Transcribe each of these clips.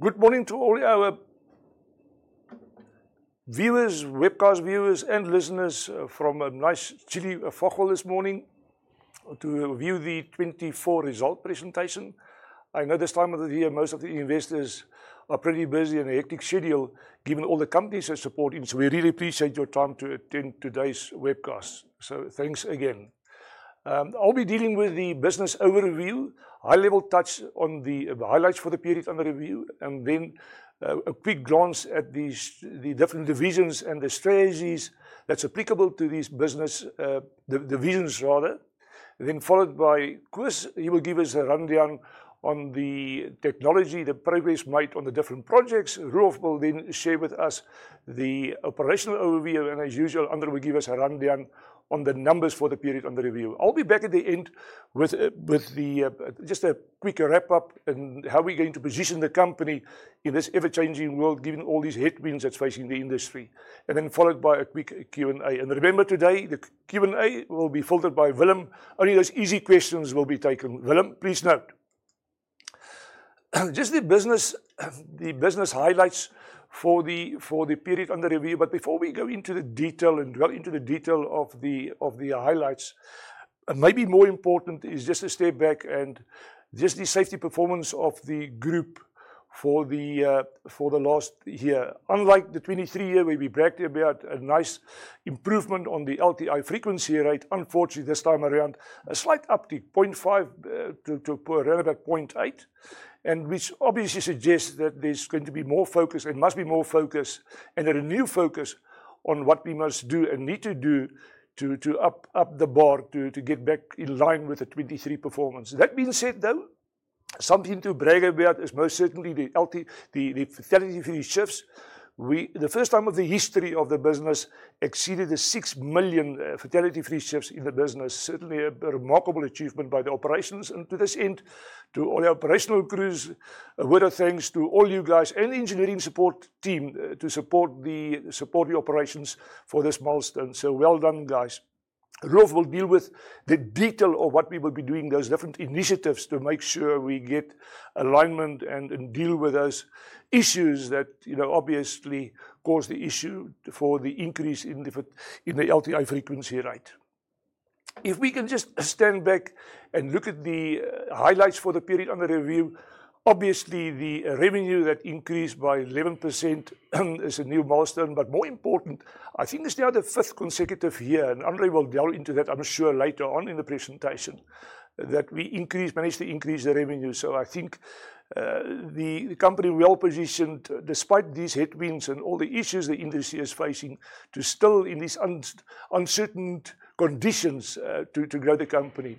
Good morning to all our viewers, webcast viewers, and listeners from a nice chilly foothill this morning to view the 2024 result presentation. I know this time of the year most of the investors are pretty busy and a hectic schedule given all the companies they're supporting, so we really appreciate your time to attend today's webcast. Thanks again. I'll be dealing with the business overview, a high-level touch on the highlights for the period under review, and then a quick glance at the different divisions and the strategies that's applicable to these business divisions, rather. Followed by Koos, he will give us a rundown on the technology, the progress made on the different projects. Roelof will then share with us the operational overview, and as usual, André will give us a rundown on the numbers for the period under review. I'll be back at the end with just a quick wrap-up and how we're going to position the company in this ever-changing world given all these headwinds that's facing the industry, followed by a quick Q&A. Remember today, the Q&A will be filtered by Willem. Only those easy questions will be taken. Willem, please note. Just the business highlights for the period under review, but before we go into the detail and dwell into the detail of the highlights, maybe more important is just to step back and just the safety performance of the group for the last year. Unlike the 2023 year where we bragged about a nice improvement on the LTI frequency rate, unfortunately this time around, a slight uptick, 0.5 to around about 0.8, which obviously suggests that there's going to be more focus and must be more focus and a renewed focus on what we must do and need to do to up the bar to get back in line with the 2023 performance. That being said, though, something to brag about is most certainly the fatality-free shifts. The first time of the history of the business exceeded the 6 million fatality-free shifts in the business, certainly a remarkable achievement by the operations. To this end, to all our operational crews, a word of thanks to all you guys and the engineering support team to support the operations for this milestone. So well done, guys. Roelof will deal with the detail of what we will be doing, those different initiatives to make sure we get alignment and deal with those issues that obviously caused the issue for the increase in the LTI frequency rate. If we can just stand back and look at the highlights for the period under review, obviously the revenue that increased by 11% is a new milestone, but more important, I think it's now the fifth consecutive year, and André will delve into that, I'm sure, later on in the presentation, that we managed to increase the revenue. I think the company is well positioned despite these headwinds and all the issues the industry is facing to still, in these uncertain conditions, to grow the company.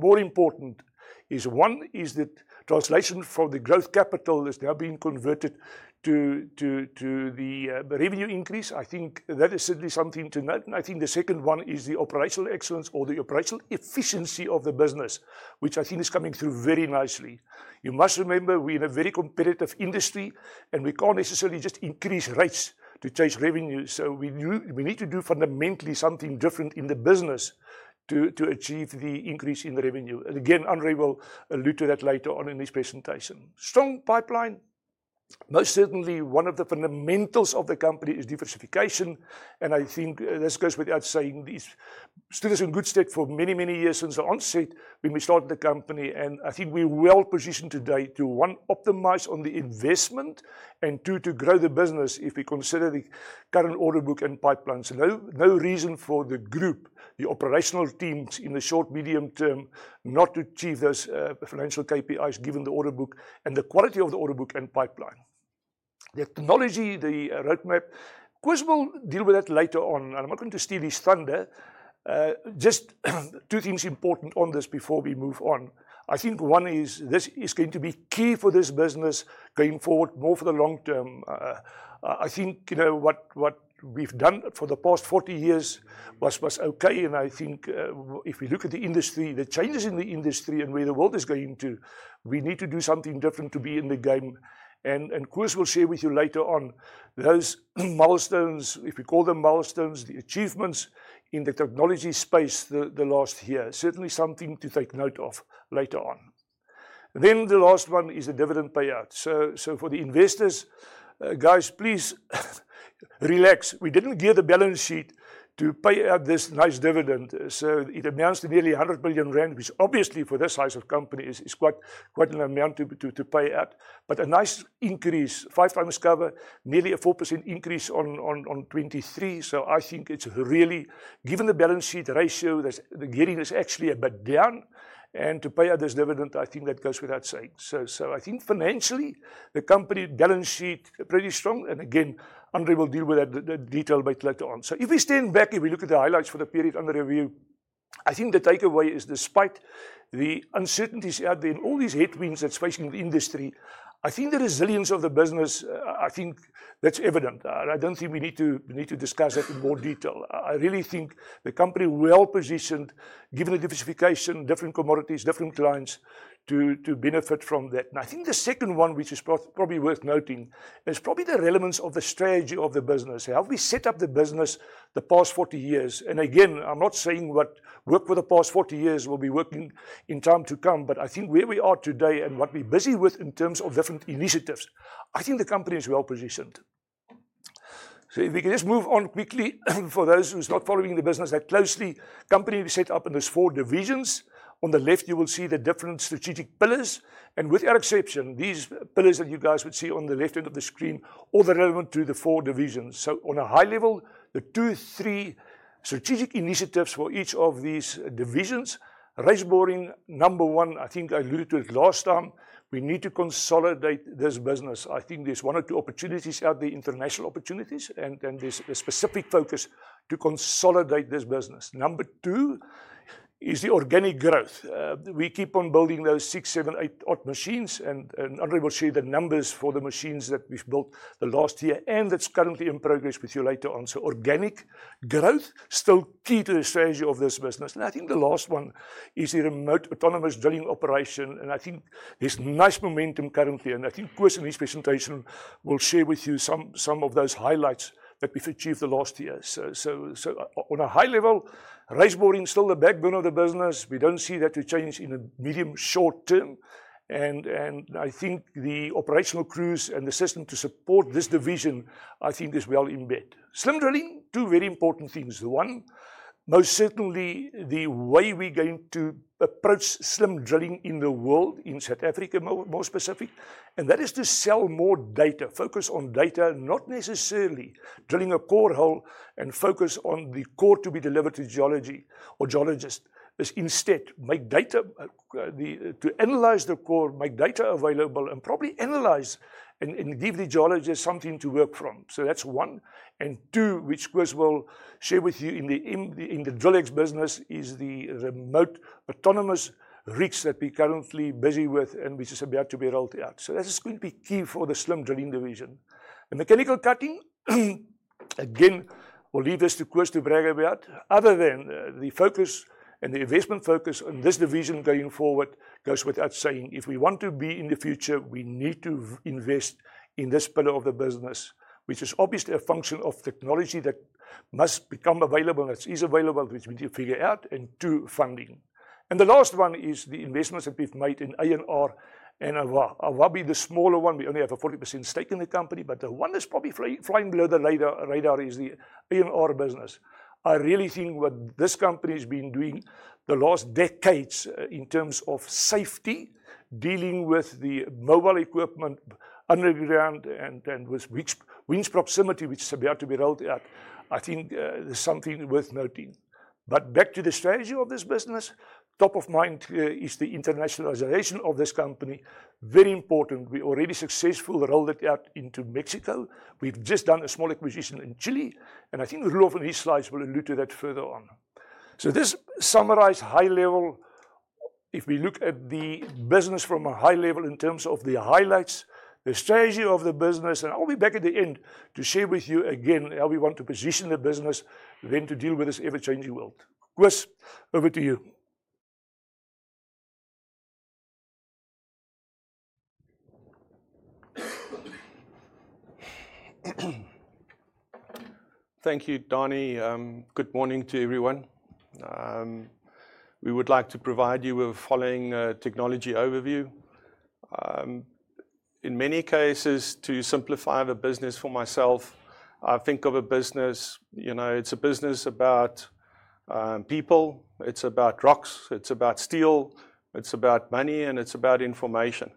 More important is, one, is the translation from the growth capital that's now being converted to the revenue increase. I think that is certainly something to note. I think the second one is the operational excellence or the operational efficiency of the business, which I think is coming through very nicely. You must remember we're in a very competitive industry, and we can't necessarily just increase rates to chase revenue. We need to do fundamentally something different in the business to achieve the increase in the revenue. Again, André will allude to that later on in this presentation. Strong pipeline, most certainly one of the fundamentals of the company is diversification, and I think this goes without saying. This has been in good stead for many, many years since the onset when we started the company, and I think we're well positioned today to, one, optimize on the investment, and two, to grow the business if we consider the current order book and pipeline. is no reason for the group, the operational teams in the short, medium term, not to achieve those financial KPIs given the order book and the quality of the order book and pipeline. The technology, the roadmap, Koos will deal with that later on, and I'm not going to steal his thunder. Just two things important on this before we move on. I think one is this is going to be key for this business going forward, more for the long term. I think what we've done for the past 40 years was okay, and I think if we look at the industry, the changes in the industry and where the world is going to, we need to do something different to be in the game. Koos will share with you later on those milestones, if we call them milestones, the achievements in the technology space the last year, certainly something to take note of later on. The last one is the dividend payout. For the investors, guys, please relax. We did not gear the balance sheet to pay out this nice dividend. It amounts to nearly 100 million rand, which obviously for this size of company is quite an amount to pay out, but a nice increase, five times cover, nearly a 4% increase on 2023. I think it is really, given the balance sheet ratio, the gearing is actually a bit down, and to pay out this dividend, I think that goes without saying. I think financially, the company balance sheet is pretty strong, and again, André will deal with that detail a bit later on. If we stand back, if we look at the highlights for the period under review, I think the takeaway is despite the uncertainties out there and all these headwinds that's facing the industry, I think the resilience of the business, I think that's evident. I don't think we need to discuss that in more detail. I really think the company is well positioned given the diversification, different commodities, different clients to benefit from that. I think the second one, which is probably worth noting, is probably the relevance of the strategy of the business. How have we set up the business the past 40 years? Again, I'm not saying what worked for the past 40 years will be working in time to come, but I think where we are today and what we're busy with in terms of different initiatives, I think the company is well positioned. If we can just move on quickly for those who are not following the business that closely, the company is set up in these four divisions. On the left, you will see the different strategic pillars, and with our exception, these pillars that you guys would see on the left end of the screen are all relevant to the four divisions. On a high level, the two, three strategic initiatives for each of these divisions. Raised Boring, number one, I think I alluded to it last time. We need to consolidate this business. I think there is one or two opportunities out there, international opportunities, and there is a specific focus to consolidate this business. Number two is the organic growth. We keep on building those six, seven, eight machines, and André will share the numbers for the machines that we've built the last year and that's currently in progress with you later on. Organic growth is still key to the strategy of this business. I think the last one is the remote autonomous drilling operation, and I think there's nice momentum currently, and I think Koos in his presentation will share with you some of those highlights that we've achieved the last year. On a high level, raised boring is still the backbone of the business. We don't see that to change in the medium short term, and I think the operational crews and the system to support this division, I think, is well embedded. Slim drilling, two very important things. One, most certainly the way we're going to approach slim drilling in the world, in South Africa more specifically, and that is to sell more data, focus on data, not necessarily drilling a core hole and focus on the core to be delivered to geology or geologists, but instead make data to analyze the core, make data available, and probably analyze and give the geologist something to work from. That's one. Two, which Koos will share with you in the drilling business, is the remote autonomous rigs that we're currently busy with and which is about to be rolled out. That's going to be key for the slim drilling division. The mechanical cutting, again, we'll leave this to Koos to brag about, other than the focus and the investment focus on this division going forward goes without saying. If we want to be in the future, we need to invest in this pillar of the business, which is obviously a function of technology that must become available, that's easily available, which we need to figure out, and two, funding. The last one is the investments that we've made in A&R and AVA. AVA will be the smaller one. We only have a 40% stake in the company, but the one that's probably flying below the radar is the A&R business. I really think what this company has been doing the last decades in terms of safety, dealing with the mobile equipment underground and with winch proximity, which is about to be rolled out, I think is something worth noting. Back to the strategy of this business, top of mind is the internationalization of this company, very important. We're already successfully rolled it out into Mexico. We've just done a small acquisition in Chile, and I think Roelof and his slides will allude to that further on. This summarized high level, if we look at the business from a high level in terms of the highlights, the strategy of the business, and I'll be back at the end to share with you again how we want to position the business when to deal with this ever-changing world. Koos, over to you. Thank you, Danie. Good morning to everyone. We would like to provide you with the following technology overview. In many cases, to simplify the business for myself, I think of a business, you know, it's a business about people, it's about rocks, it's about steel, it's about money, and it's about information.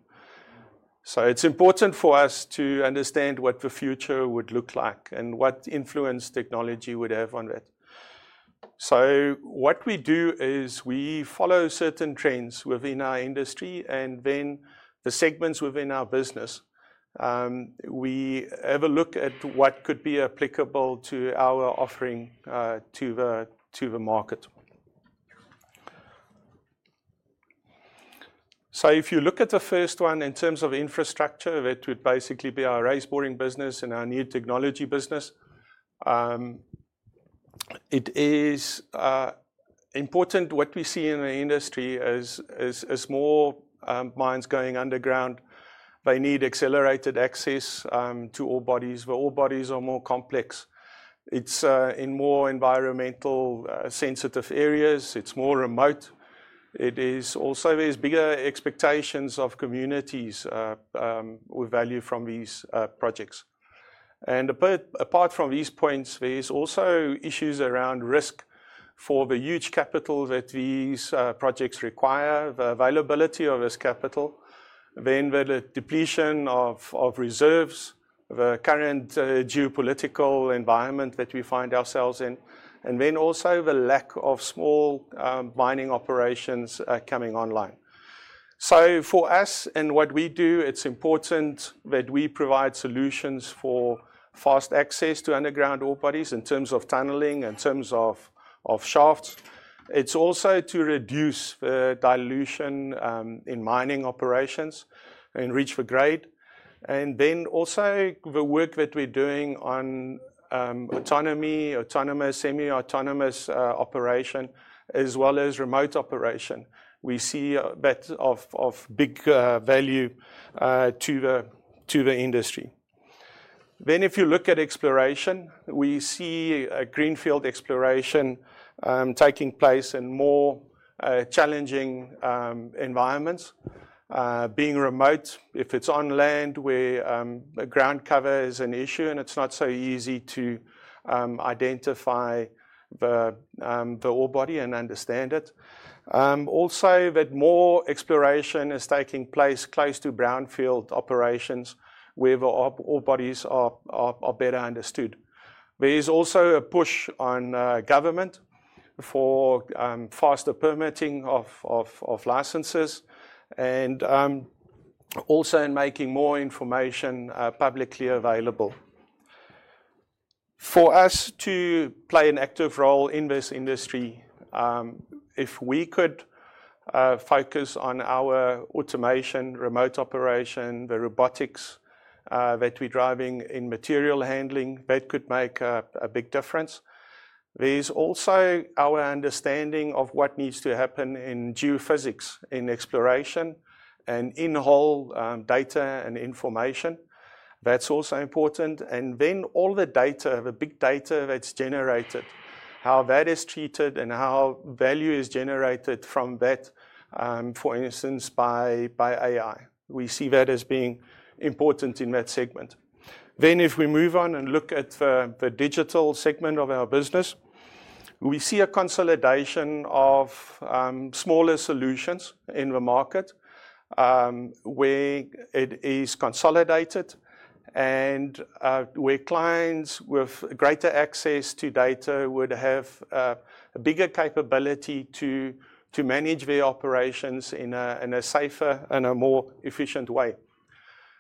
It is important for us to understand what the future would look like and what influence technology would have on that. What we do is we follow certain trends within our industry and then the segments within our business. We look at what could be applicable to our offering to the market. If you look at the first one in terms of infrastructure, that would basically be our raised boring business and our new technology business. It is important what we see in the industry is more mines going underground. They need accelerated access to all bodies where all bodies are more complex. It's in more environmentally sensitive areas. It's more remote. There are bigger expectations of communities with value from these projects. Apart from these points, there are also issues around risk for the huge capital that these projects require, the availability of this capital, the depletion of reserves, the current geopolitical environment that we find ourselves in, and also the lack of small mining operations coming online. For us and what we do, it's important that we provide solutions for fast access to underground ore bodies in terms of tunneling, in terms of shafts. It's also to reduce the dilution in mining operations and reach for grade. The work that we're doing on autonomy, autonomous, semi-autonomous operation, as well as remote operation, we see a bit of big value to the industry. If you look at exploration, we see greenfield exploration taking place in more challenging environments, being remote. If it's on land where ground cover is an issue and it's not so easy to identify the ore body and understand it. Also, more exploration is taking place close to brownfield operations where the ore bodies are better understood. There is also a push on government for faster permitting of licenses and also in making more information publicly available. For us to play an active role in this industry, if we could focus on our automation, remote operation, the robotics that we're driving in material handling, that could make a big difference. There's also our understanding of what needs to happen in geophysics, in exploration, and in-hole data and information. That's also important. All the data, the big data that's generated, how that is treated and how value is generated from that, for instance, by AI. We see that as being important in that segment. If we move on and look at the digital segment of our business, we see a consolidation of smaller solutions in the market where it is consolidated and where clients with greater access to data would have a bigger capability to manage their operations in a safer and a more efficient way.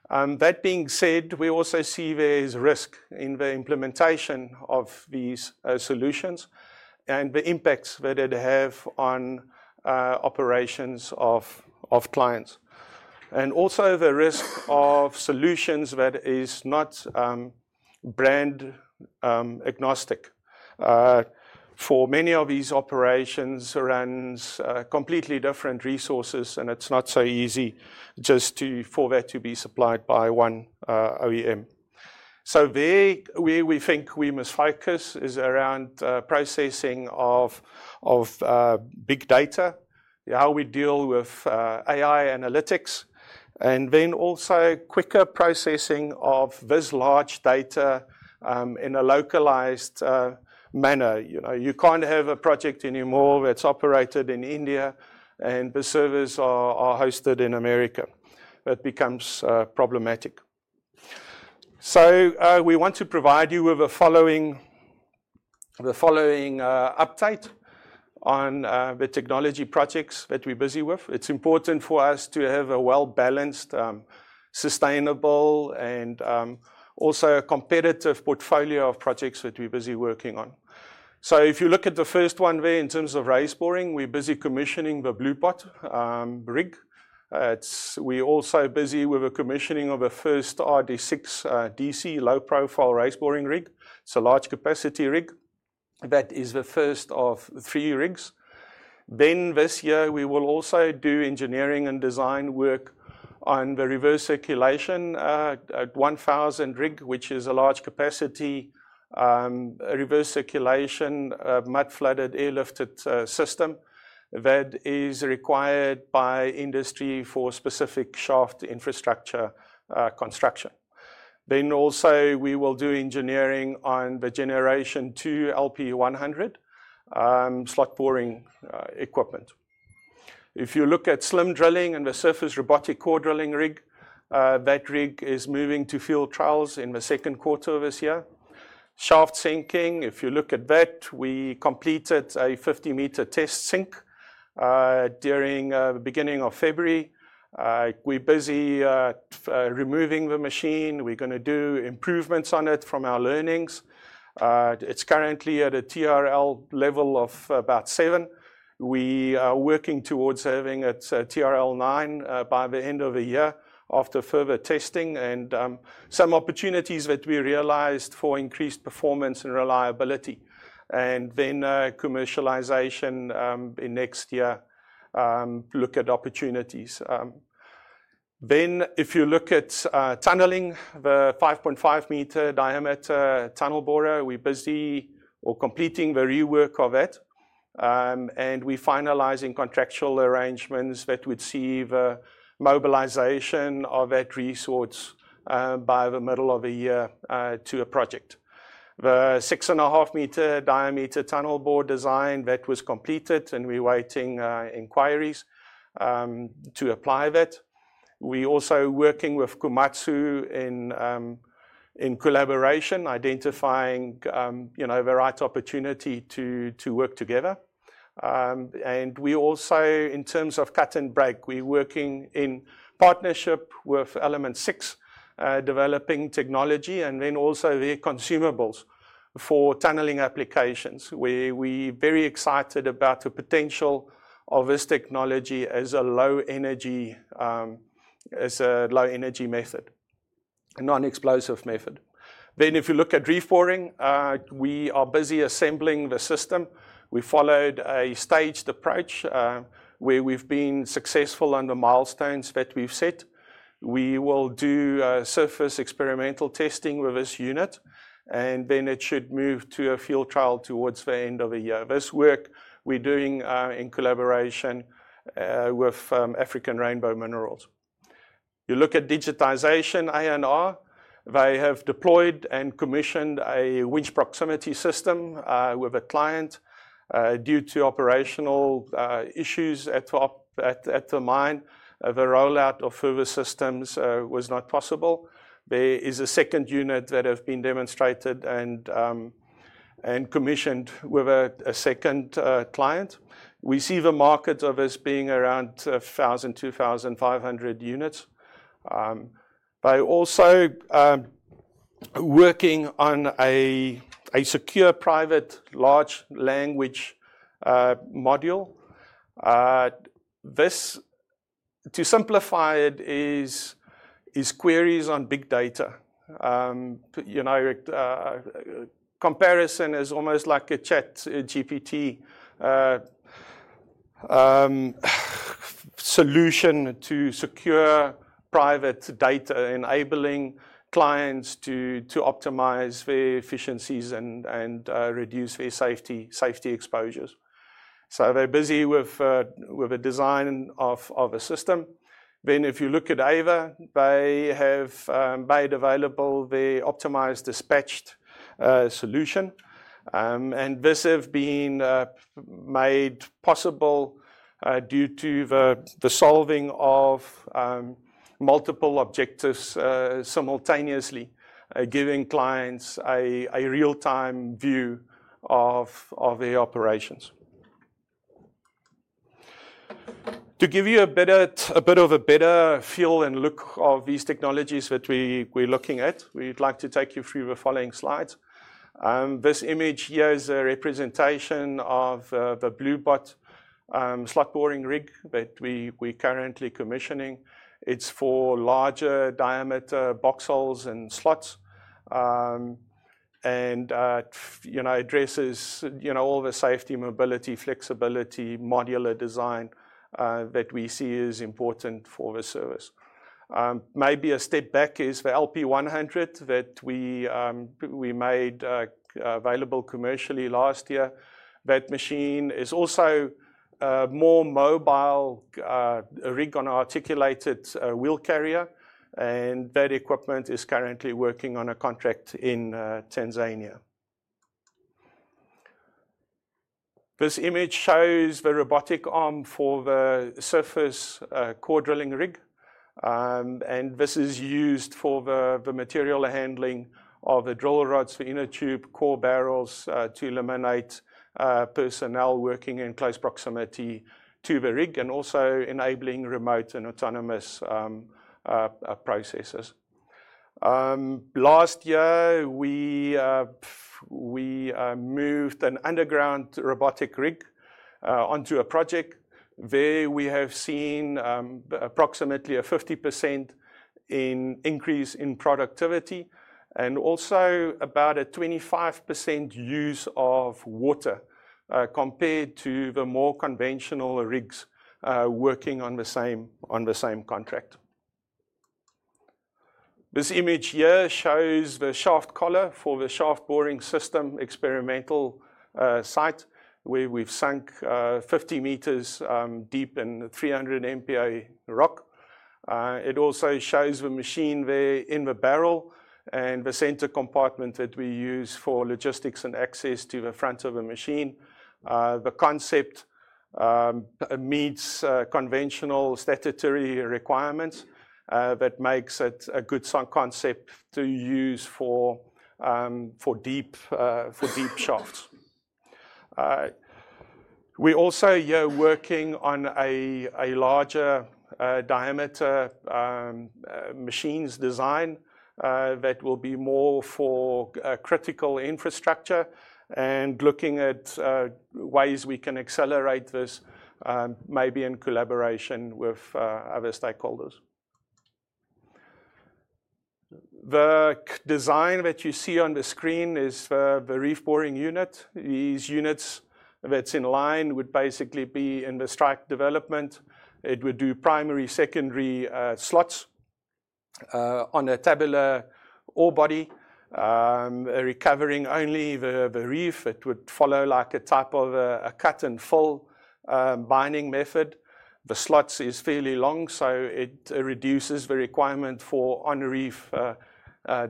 That being said, we also see there's risk in the implementation of these solutions and the impacts that it has on operations of clients. Also the risk of solutions that is not brand agnostic. For many of these operations, it runs completely different resources, and it's not so easy just for that to be supplied by one OEM. Where we think we must focus is around processing of big data, how we deal with AI analytics, and then also quicker processing of this large data in a localized manner. You can't have a project anymore that's operated in India and the servers are hosted in America. That becomes problematic. We want to provide you with the following update on the technology projects that we're busy with. It's important for us to have a well-balanced, sustainable, and also a competitive portfolio of projects that we're busy working on. If you look at the first one there in terms of raised boring, we're busy commissioning the Bluebot rig. We're also busy with the commissioning of the first RD6 DC low-profile raised boring rig. It's a large capacity rig. That is the first of three rigs. This year, we will also do engineering and design work on the reverse circulation 1000 rig, which is a large capacity reverse circulation, mud flooded airlifted system that is required by industry for specific shaft infrastructure construction. We will also do engineering on the generation two LP100 slot boring equipment. If you look at slim drilling and the surface robotic core drilling rig, that rig is moving to field trials in the second quarter of this year. Shaft sinking, if you look at that, we completed a 50-meter test sink during the beginning of February. We're busy removing the machine. We're going to do improvements on it from our learnings. It's currently at a TRL level of about seven. We are working towards having it TRL 9 by the end of the year after further testing and some opportunities that we realized for increased performance and reliability. Commercialization in next year, look at opportunities. If you look at tunneling, the 5.5-meter diameter Tunnel Borer, we're busy or completing the rework of it. We're finalizing contractual arrangements that would see the mobilization of that resource by the middle of the year to a project. The 6.5-meter diameter Tunnel Borer design that was completed, and we're waiting inquiries to apply that. We're also working with Komatsu in collaboration, identifying the right opportunity to work together. We also, in terms of cut and break, are working in partnership with Element Six, developing technology and then also their consumables for tunneling applications where we are very excited about the potential of this technology as a low-energy method, a non-explosive method. If you look at reef boring, we are busy assembling the system. We followed a staged approach where we have been successful on the milestones that we have set. We will do surface experimental testing with this unit, and it should move to a field trial towards the end of the year. This work we are doing in collaboration with African Rainbow Minerals. You look at digitization, A&R, they have deployed and commissioned a winch proximity system with a client. Due to operational issues at the mine, the rollout of further systems was not possible. There is a second unit that has been demonstrated and commissioned with a second client. We see the market of this being around 1,000-2,500 units. They're also working on a secure private large language module. This, to simplify it, is queries on big data. Comparison is almost like a ChatGPT solution to secure private data, enabling clients to optimize their efficiencies and reduce their safety exposures. They're busy with the design of a system. If you look at AVA, they have made available their optimized dispatch solution. This has been made possible due to the solving of multiple objectives simultaneously, giving clients a real-time view of their operations. To give you a bit of a better feel and look of these technologies that we're looking at, we'd like to take you through the following slides. This image here is a representation of the Bluebot slot boring rig that we're currently commissioning. It's for larger diameter box holes and slots and addresses all the safety, mobility, flexibility, modular design that we see is important for the service. Maybe a step back is the LP100 that we made available commercially last year. That machine is also a more mobile rig on an articulated wheel carrier, and that equipment is currently working on a contract in Tanzania. This image shows the robotic arm for the surface robotic core drilling rig, and this is used for the material handling of the drill rods for inner tube core barrels to eliminate personnel working in close proximity to the rig and also enabling remote and autonomous processes. Last year, we moved an underground robotic rig onto a project where we have seen approximately a 50% increase in productivity and also about a 25% use of water compared to the more conventional rigs working on the same contract. This image here shows the shaft collar for the shaft boring system experimental site where we've sunk 50 meters deep in 300 MPa rock. It also shows the machine there in the barrel and the center compartment that we use for logistics and access to the front of the machine. The concept meets conventional statutory requirements that makes it a good concept to use for deep shafts. We're also working on a larger diameter machine's design that will be more for critical infrastructure and looking at ways we can accelerate this maybe in collaboration with other stakeholders. The design that you see on the screen is the reef boring unit. These units that's in line would basically be in the strike development. It would do primary, secondary slots on a tabular ore body, recovering only the reef. It would follow a type of a cut and fill mining method. The slots is fairly long, so it reduces the requirement for on-reef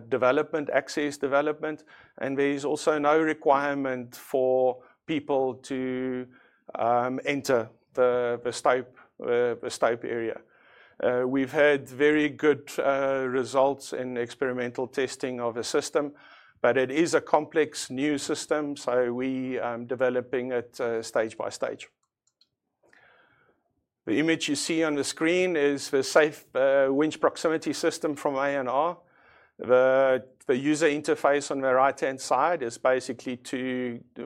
development, access development, and there is also no requirement for people to enter the stope area. We've had very good results in experimental testing of the system, but it is a complex new system, so we are developing it stage by stage. The image you see on the screen is the safe winch proximity system from A&R. The user interface on the right-hand side is basically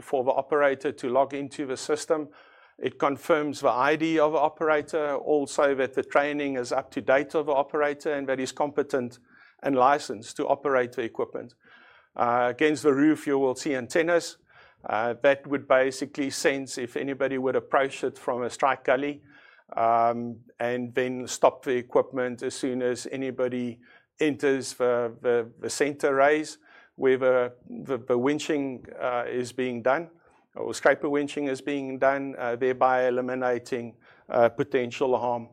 for the operator to log into the system. It confirms the ID of the operator, also that the training is up to date of the operator and that he's competent and licensed to operate the equipment. Against the roof, you will see antennas that would basically sense if anybody would approach it from a strike gully and then stop the equipment as soon as anybody enters the center raise where the winching is being done or scraper winching is being done, thereby eliminating potential harm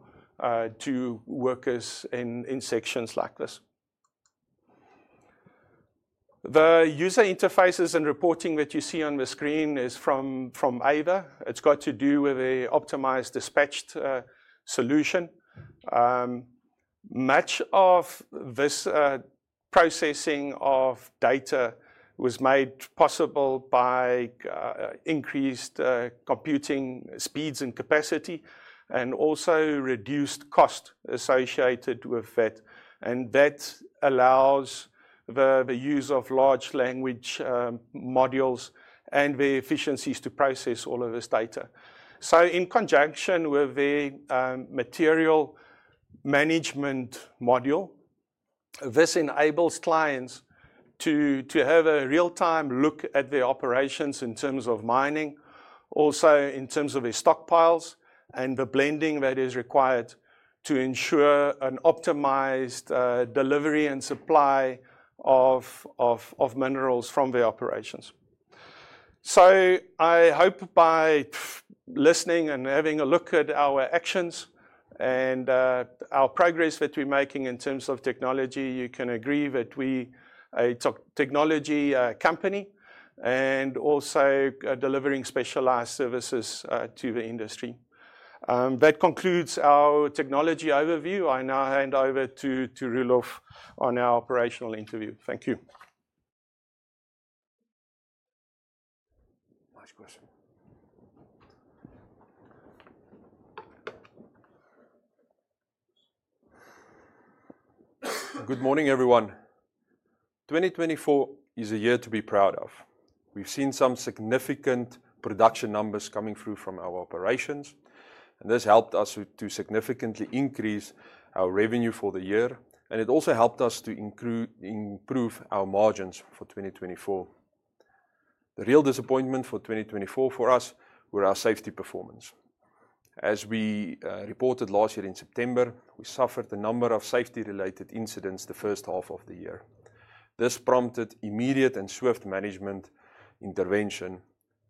to workers in sections like this. The user interfaces and reporting that you see on the screen is from AVA. It's got to do with the optimized dispatch solution. Much of this processing of data was made possible by increased computing speeds and capacity and also reduced cost associated with that. That allows the use of large language modules and the efficiencies to process all of this data. In conjunction with the material management module, this enables clients to have a real-time look at their operations in terms of mining, also in terms of their stockpiles and the blending that is required to ensure an optimized delivery and supply of minerals from their operations. I hope by listening and having a look at our actions and our progress that we're making in terms of technology, you can agree that we are a technology company and also delivering specialized services to the industry. That concludes our technology overview. I now hand over to Roelof on our operational interview. Thank you. Nice question. Good morning, everyone. 2024 is a year to be proud of. We've seen some significant production numbers coming through from our operations, and this helped us to significantly increase our revenue for the year, and it also helped us to improve our margins for 2024. The real disappointment for 2024 for us were our safety performance. As we reported last year in September, we suffered a number of safety-related incidents the first half of the year. This prompted immediate and swift management intervention,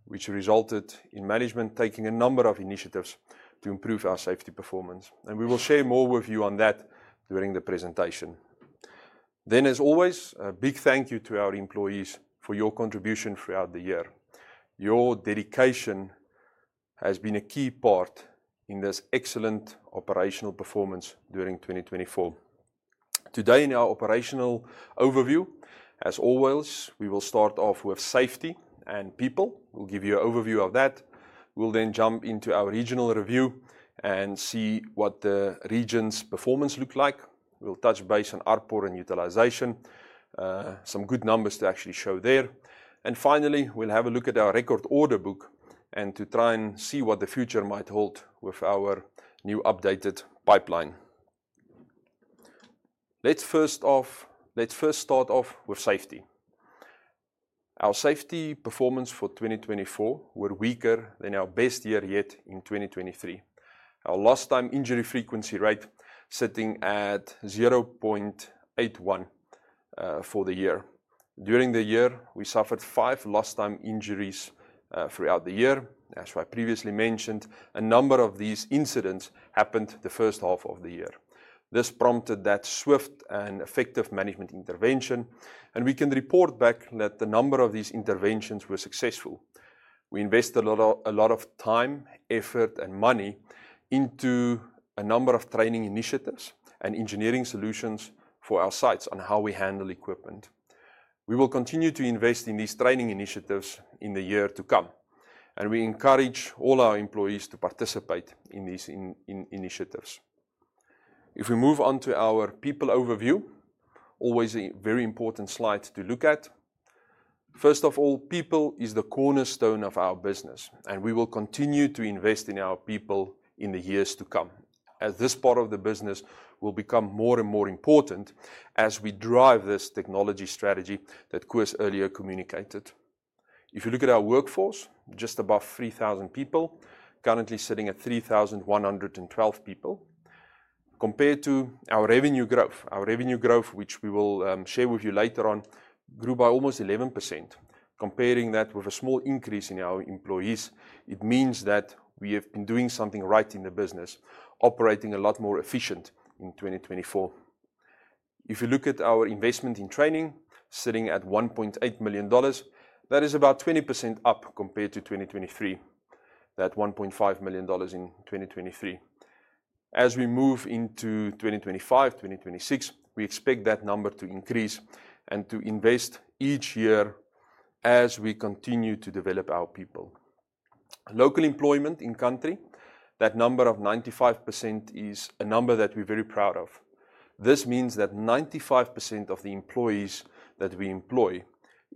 which resulted in management taking a number of initiatives to improve our safety performance. We will share more with you on that during the presentation. As always, a big thank you to our employees for your contribution throughout the year. Your dedication has been a key part in this excellent operational performance during 2024. Today, in our operational overview, as always, we will start off with safety and people. We'll give you an overview of that. We'll then jump into our regional review and see what the region's performance looks like. We'll touch base on ARPOR and utilization, some good numbers to actually show there. Finally, we'll have a look at our record order book and try and see what the future might hold with our new updated pipeline. Let's first start off with safety. Our safety performance for 2024 was weaker than our best year yet in 2023. Our lost time injury frequency rate is sitting at 0.81 for the year. During the year, we suffered five lost time injuries throughout the year. As I previously mentioned, a number of these incidents happened the first half of the year. This prompted that swift and effective management intervention, and we can report back that the number of these interventions was successful. We invested a lot of time, effort, and money into a number of training initiatives and engineering solutions for our sites on how we handle equipment. We will continue to invest in these training initiatives in the year to come, and we encourage all our employees to participate in these initiatives. If we move on to our people overview, always a very important slide to look at. First of all, people is the cornerstone of our business, and we will continue to invest in our people in the years to come, as this part of the business will become more and more important as we drive this technology strategy that Koos earlier communicated. If you look at our workforce, just above 3,000 people, currently sitting at 3,112 people. Compared to our revenue growth, our revenue growth, which we will share with you later on, grew by almost 11%. Comparing that with a small increase in our employees, it means that we have been doing something right in the business, operating a lot more efficiently in 2024. If you look at our investment in training, sitting at $1.8 million, that is about 20% up compared to 2023, that $1.5 million in 2023. As we move into 2025, 2026, we expect that number to increase and to invest each year as we continue to develop our people. Local employment in the country, that number of 95% is a number that we're very proud of. This means that 95% of the employees that we employ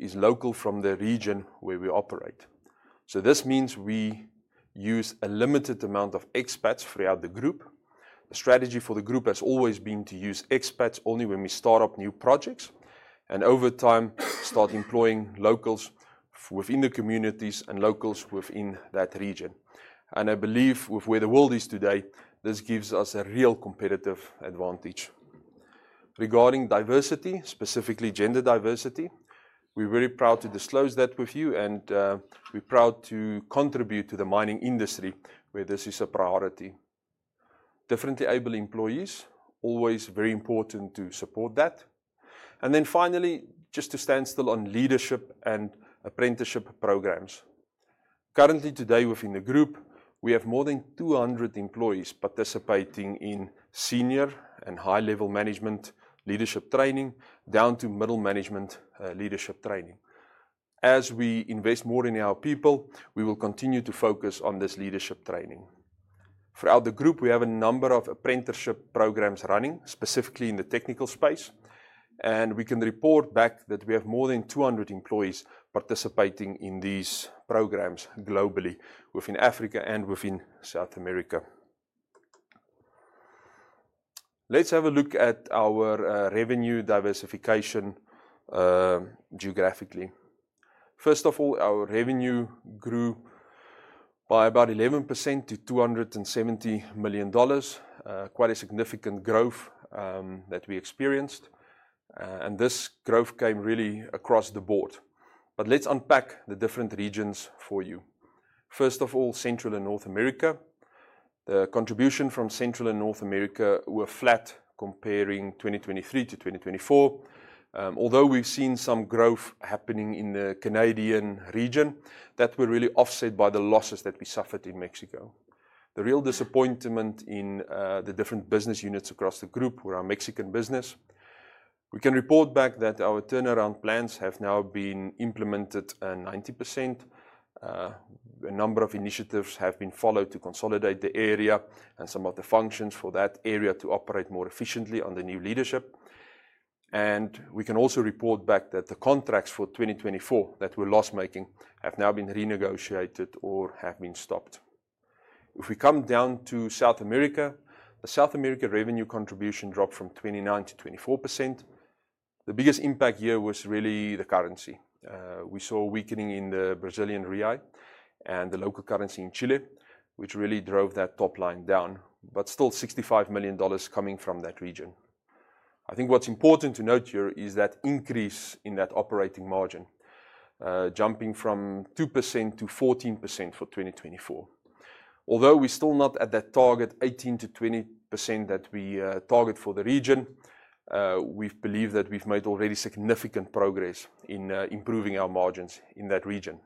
are local from the region where we operate. This means we use a limited amount of expats throughout the group. The strategy for the group has always been to use expats only when we start up new projects and over time start employing locals within the communities and locals within that region. I believe with where the world is today, this gives us a real competitive advantage. Regarding diversity, specifically gender diversity, we're very proud to disclose that with you, and we're proud to contribute to the mining industry where this is a priority. Differently abled employees, always very important to support that. Finally, just to stand still on leadership and apprenticeship programs. Currently, today within the group, we have more than 200 employees participating in senior and high-level management leadership training down to middle management leadership training. As we invest more in our people, we will continue to focus on this leadership training. Throughout the group, we have a number of apprenticeship programs running, specifically in the technical space, and we can report back that we have more than 200 employees participating in these programs globally within Africa and within South America. Let's have a look at our revenue diversification geographically. First of all, our revenue grew by about 11% to $270 million, quite a significant growth that we experienced, and this growth came really across the board. Let's unpack the different regions for you. First of all, Central and North America. The contribution from Central and North America was flat comparing 2023 to 2024, although we've seen some growth happening in the Canadian region that were really offset by the losses that we suffered in Mexico. The real disappointment in the different business units across the group were our Mexican business. We can report back that our turnaround plans have now been implemented at 90%. A number of initiatives have been followed to consolidate the area and some of the functions for that area to operate more efficiently under new leadership. We can also report back that the contracts for 2024 that were loss-making have now been renegotiated or have been stopped. If we come down to South America, the South American revenue contribution dropped from 29% to 24%. The biggest impact here was really the currency. We saw a weakening in the Brazilian real and the local currency in Chile, which really drove that top line down, but still $65 million coming from that region. I think what's important to note here is that increase in that operating margin, jumping from 2% to 14% for 2024. Although we're still not at that target, 18%-20% that we target for the region, we believe that we've made already significant progress in improving our margins in that region.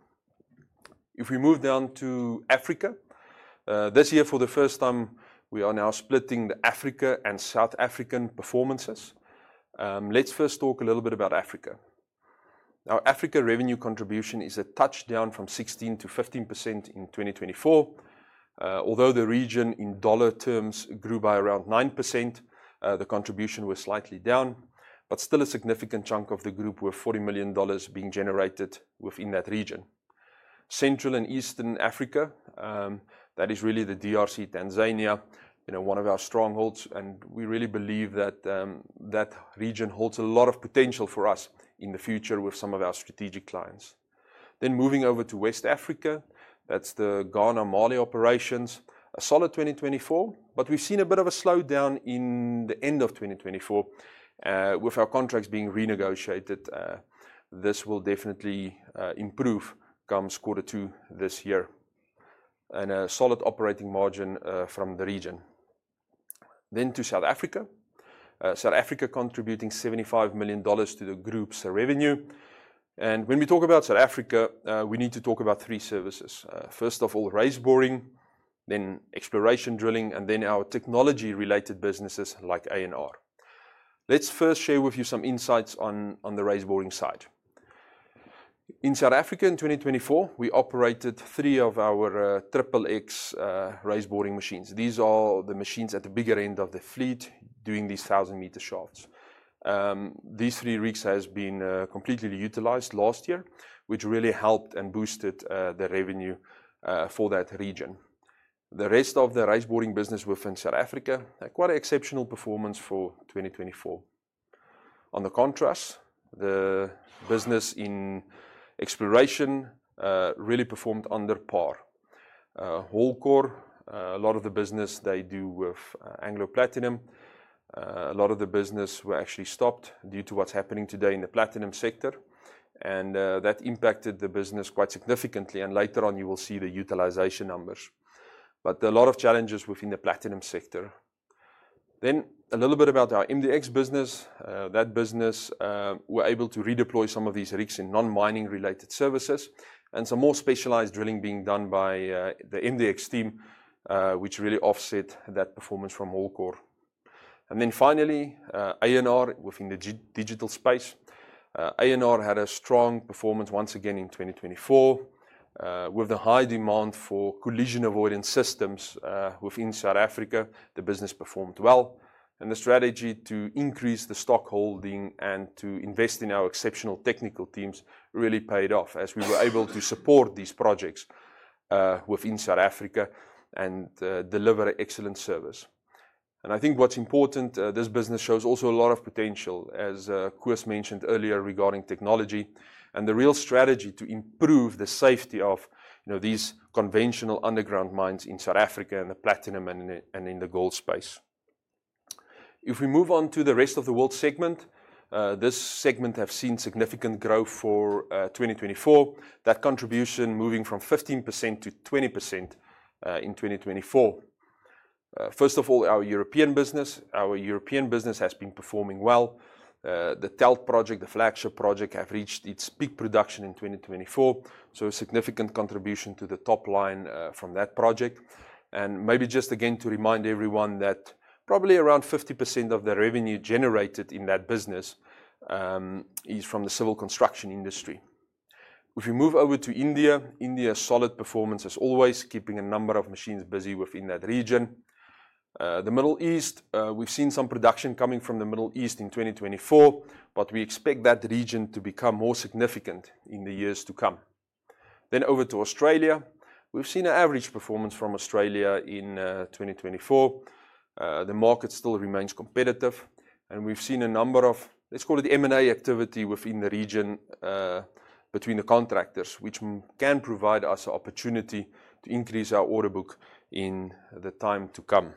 If we move down to Africa, this year for the first time, we are now splitting the Africa and South African performances. Let's first talk a little bit about Africa. Our Africa revenue contribution is a touchdown from 16% to 15% in 2024. Although the region in dollar terms grew by around 9%, the contribution was slightly down, but still a significant chunk of the group with $40 million being generated within that region. Central and Eastern Africa, that is really the DRC, Tanzania, one of our strongholds, and we really believe that that region holds a lot of potential for us in the future with some of our strategic clients. Moving over to West Africa, that's the Ghana-Mali operations, a solid 2024, but we've seen a bit of a slowdown in the end of 2024 with our contracts being renegotiated. This will definitely improve come quarter two this year and a solid operating margin from the region. To South Africa, South Africa contributing $75 million to the group's revenue. When we talk about South Africa, we need to talk about three services. First of all, raised boring, then exploration drilling, and then our technology-related businesses like A&R. Let's first share with you some insights on the raised boring side. In South Africa in 2024, we operated three of our triple X raised boring machines. These are the machines at the bigger end of the fleet doing these 1,000-meter shafts. These three rigs have been completely utilized last year, which really helped and boosted the revenue for that region. The rest of the raised boring business within South Africa, quite an exceptional performance for 2024. In contrast, the business in exploration really performed under par. Hall Core, a lot of the business they do with Anglo Platinum, a lot of the business were actually stopped due to what's happening today in the platinum sector, and that impacted the business quite significantly. You will see the utilization numbers later on, but a lot of challenges within the platinum sector. A little bit about our MDX business. That business, we're able to redeploy some of these rigs in non-mining related services and some more specialized drilling being done by the MDX team, which really offset that performance from Holecore. Finally, A&R within the digital space. A&R had a strong performance once again in 2024. With the high demand for collision avoidance systems within South Africa, the business performed well, and the strategy to increase the stock holding and to invest in our exceptional technical teams really paid off as we were able to support these projects within South Africa and deliver excellent service. I think what's important, this business shows also a lot of potential, as Koos mentioned earlier regarding technology and the real strategy to improve the safety of these conventional underground mines in South Africa and the platinum and in the gold space. If we move on to the rest of the world segment, this segment has seen significant growth for 2024. That contribution moving from 15% to 20% in 2024. First of all, our European business, our European business has been performing well. The TELT project, the flagship project, have reached its peak production in 2024, so a significant contribution to the top line from that project. Maybe just again to remind everyone that probably around 50% of the revenue generated in that business is from the civil construction industry. If we move over to India, India's solid performance as always, keeping a number of machines busy within that region. The Middle East, we've seen some production coming from the Middle East in 2024, but we expect that region to become more significant in the years to come. Over to Australia, we've seen an average performance from Australia in 2024. The market still remains competitive, and we've seen a number of, let's call it, M&A activity within the region between the contractors, which can provide us an opportunity to increase our order book in the time to come.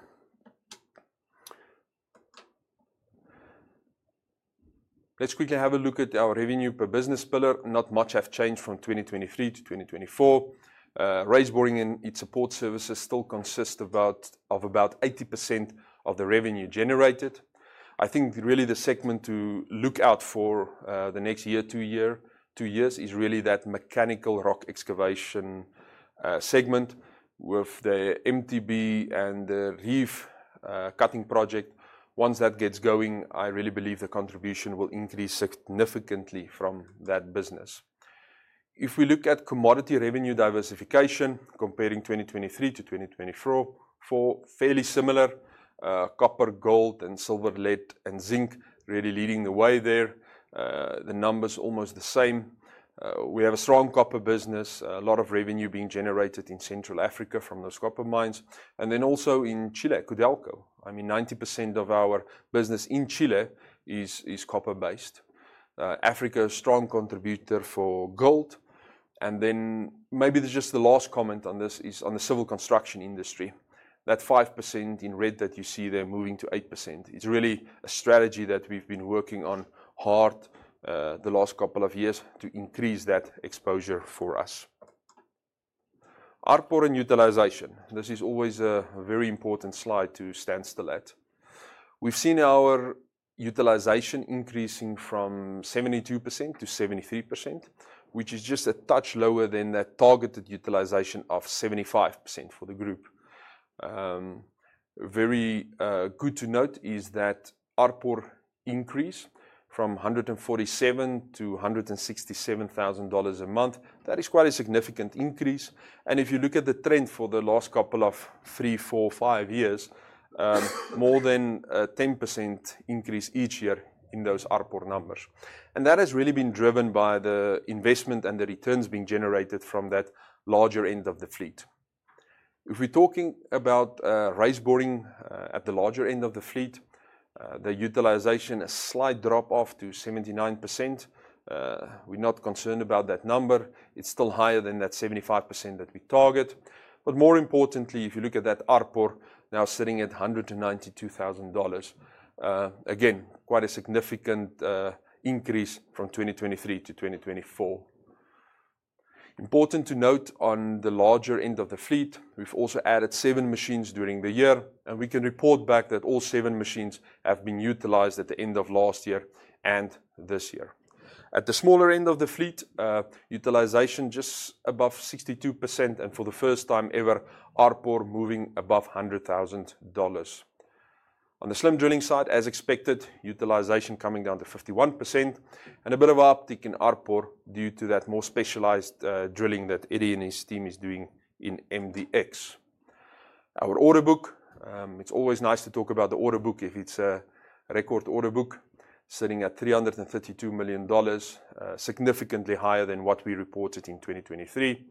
Let's quickly have a look at our revenue per business pillar. Not much has changed from 2023-2024. Raised boring and its support services still consist of about 80% of the revenue generated. I think really the segment to look out for the next year, two years, is really that mechanical rock excavation segment with the MTB and the reef cutting project. Once that gets going, I really believe the contribution will increase significantly from that business. If we look at commodity revenue diversification comparing 2023 to 2024, four fairly similar copper, gold, and silver lead and zinc really leading the way there. The number's almost the same. We have a strong copper business, a lot of revenue being generated in Central Africa from those copper mines, and then also in Chile, Codelco. I mean, 90% of our business in Chile is copper-based. Africa is a strong contributor for gold. Maybe just the last comment on this is on the civil construction industry. That 5% in red that you see there moving to 8% is really a strategy that we've been working on hard the last couple of years to increase that exposure for us. Our boring utilization, this is always a very important slide to stand still at. We've seen our utilization increasing from 72% to 73%, which is just a touch lower than that targeted utilization of 75% for the group. Very good to note is that ARPOR increase from $147,000 to $167,000 a month, that is quite a significant increase. If you look at the trend for the last couple of three, four, five years, more than a 10% increase each year in those ARPOR numbers. That has really been driven by the investment and the returns being generated from that larger end of the fleet. If we're talking about raised boring at the larger end of the fleet, the utilization is a slight drop off to 79%. We're not concerned about that number. It's still higher than that 75% that we target. More importantly, if you look at that, ARPOR now sitting at $192,000, again, quite a significant increase from 2023 to 2024. Important to note on the larger end of the fleet, we've also added seven machines during the year, and we can report back that all seven machines have been utilized at the end of last year and this year. At the smaller end of the fleet, utilization just above 62%, and for the first time ever, ARPOR moving above $100,000. On the slim drilling side, as expected, utilization coming down to 51% and a bit of uptick in ARPOR due to that more specialized drilling that Eden's team is doing in MDX. Our order book, it's always nice to talk about the order book if it's a record order book sitting at $332 million, significantly higher than what we reported in 2023.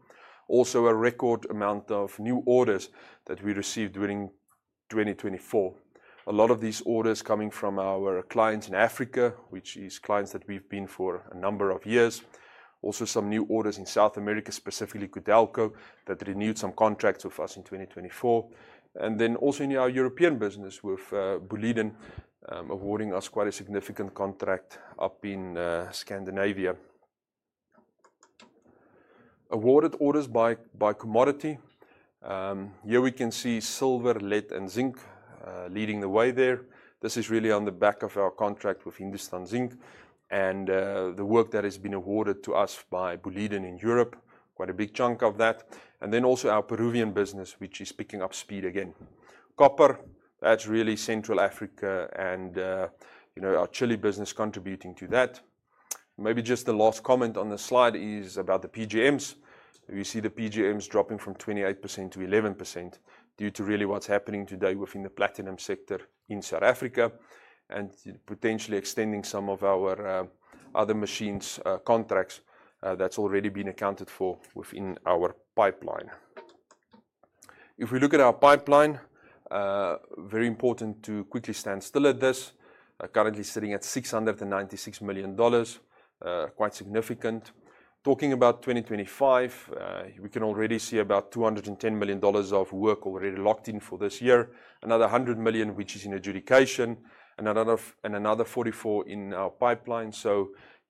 Also a record amount of new orders that we received during 2024. A lot of these orders coming from our clients in Africa, which is clients that we've been for a number of years. Also some new orders in South America, specifically Codelco that renewed some contracts with us in 2024. Also in our European business with Boliden, awarding us quite a significant contract up in Scandinavia. Awarded orders by commodity. Here we can see silver, lead, and zinc leading the way there. This is really on the back of our contract with Hindustan Zinc and the work that has been awarded to us by Boliden in Europe, quite a big chunk of that. Also, our Peruvian business, which is picking up speed again. Copper, that's really Central Africa and our Chile business contributing to that. Maybe just the last comment on the slide is about the PGMs. We see the PGMs dropping from 28% to 11% due to really what's happening today within the platinum sector in South Africa and potentially extending some of our other machines contracts that's already been accounted for within our pipeline. If we look at our pipeline, very important to quickly stand still at this, currently sitting at $696 million, quite significant. Talking about 2025, we can already see about $210 million of work already locked in for this year, another $100 million, which is in adjudication, and another $44 million in our pipeline.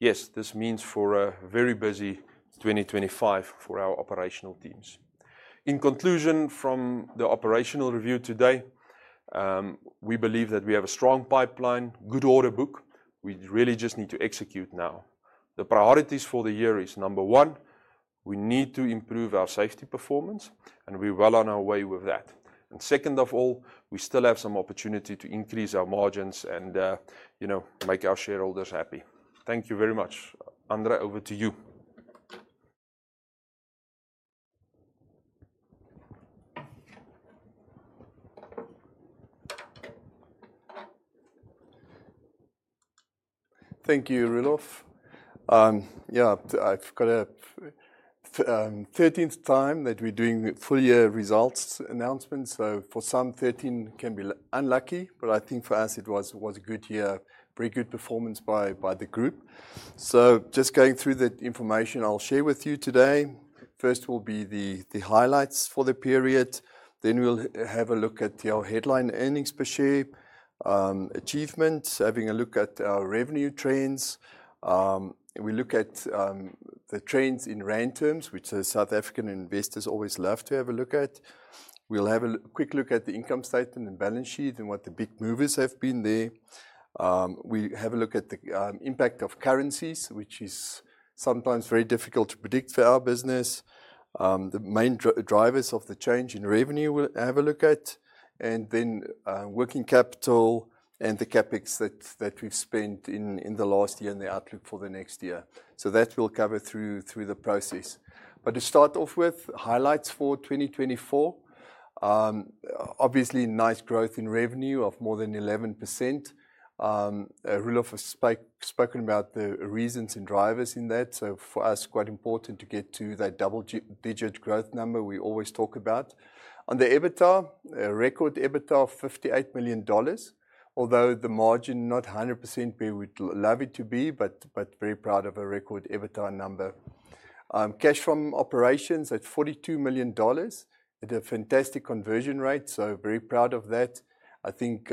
Yes, this means a very busy 2025 for our operational teams. In conclusion from the operational review today, we believe that we have a strong pipeline, good order book. We really just need to execute now. The priorities for the year are, number one, we need to improve our safety performance, and we're well on our way with that. Second of all, we still have some opportunity to increase our margins and make our shareholders happy. Thank you very much. André, over to you. Thank you, Roelof. Yeah, I've got a thirteenth time that we're doing full year results announcements. For some, 13 can be unlucky, but I think for us it was a good year, very good performance by the group. Just going through the information I'll share with you today, first will be the highlights for the period. We will have a look at our headline earnings per share achievements, having a look at our revenue trends. We look at the trends in rand terms, which the South African investors always love to have a look at. We will have a quick look at the income statement and balance sheet and what the big movers have been there. We have a look at the impact of currencies, which is sometimes very difficult to predict for our business. The main drivers of the change in revenue we'll have a look at, and then working capital and the CapEx that we've spent in the last year and the outlook for the next year. That we'll cover through the process. To start off with, highlights for 2024, obviously nice growth in revenue of more than 11%. Roelof has spoken about the reasons and drivers in that. For us, quite important to get to that double digit growth number we always talk about. On the EBITDA, a record EBITDA of $58 million, although the margin not 100% where we'd love it to be, but very proud of a record EBITDA number. Cash from operations at $42 million. It's a fantastic conversion rate, so very proud of that. I think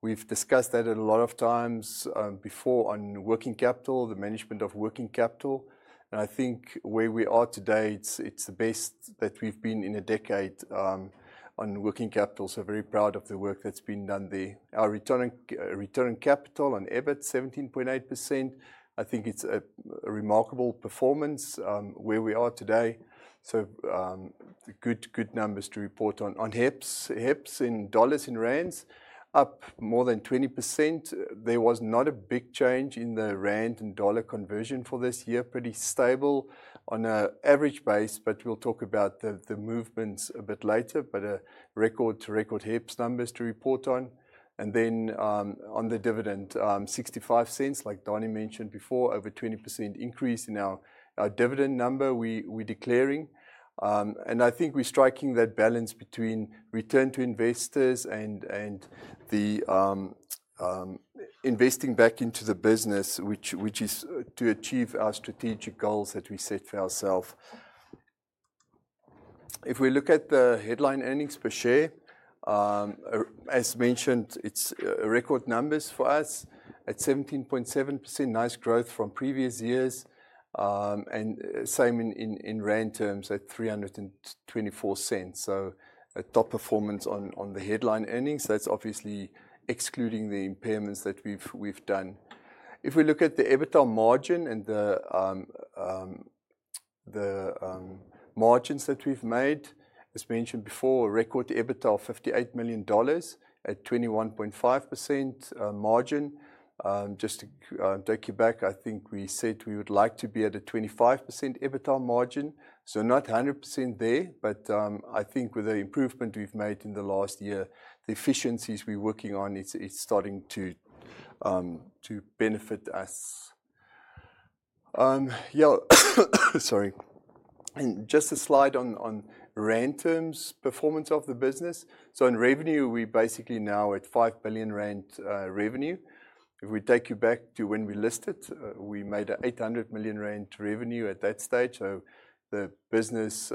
we've discussed that a lot of times before on working capital, the management of working capital. I think where we are today, it's the best that we've been in a decade on working capital. Very proud of the work that's been done there. Our return on capital on EBIT, 17.8%. I think it's a remarkable performance where we are today. Good numbers to report on. On HEPS in dollars and rands, up more than 20%. There was not a big change in the rand and dollar conversion for this year, pretty stable on an average base, but we'll talk about the movements a bit later. Record to record HEPS numbers to report on. On the dividend, $0.65, like Danie mentioned before, over 20% increase in our dividend number we're declaring. I think we're striking that balance between return to investors and investing back into the business, which is to achieve our strategic goals that we set for ourselves. If we look at the headline earnings per share, as mentioned, it's record numbers for us at 17.7%, nice growth from previous years. Same in rand terms at 0.324, so a top performance on the headline earnings. That's obviously excluding the impairments that we've done. If we look at the EBITDA margin and the margins that we've made, as mentioned before, record EBITDA of $58 million at 21.5% margin. Just to take you back, I think we said we would like to be at a 25% EBITDA margin, so not 100% there, but I think with the improvement we've made in the last year, the efficiencies we're working on is starting to benefit us. Yeah, sorry. Just a slide on rand terms, performance of the business. In revenue, we're basically now at 5 billion rand revenue. If we take you back to when we listed, we made 800 million rand revenue at that stage. The business,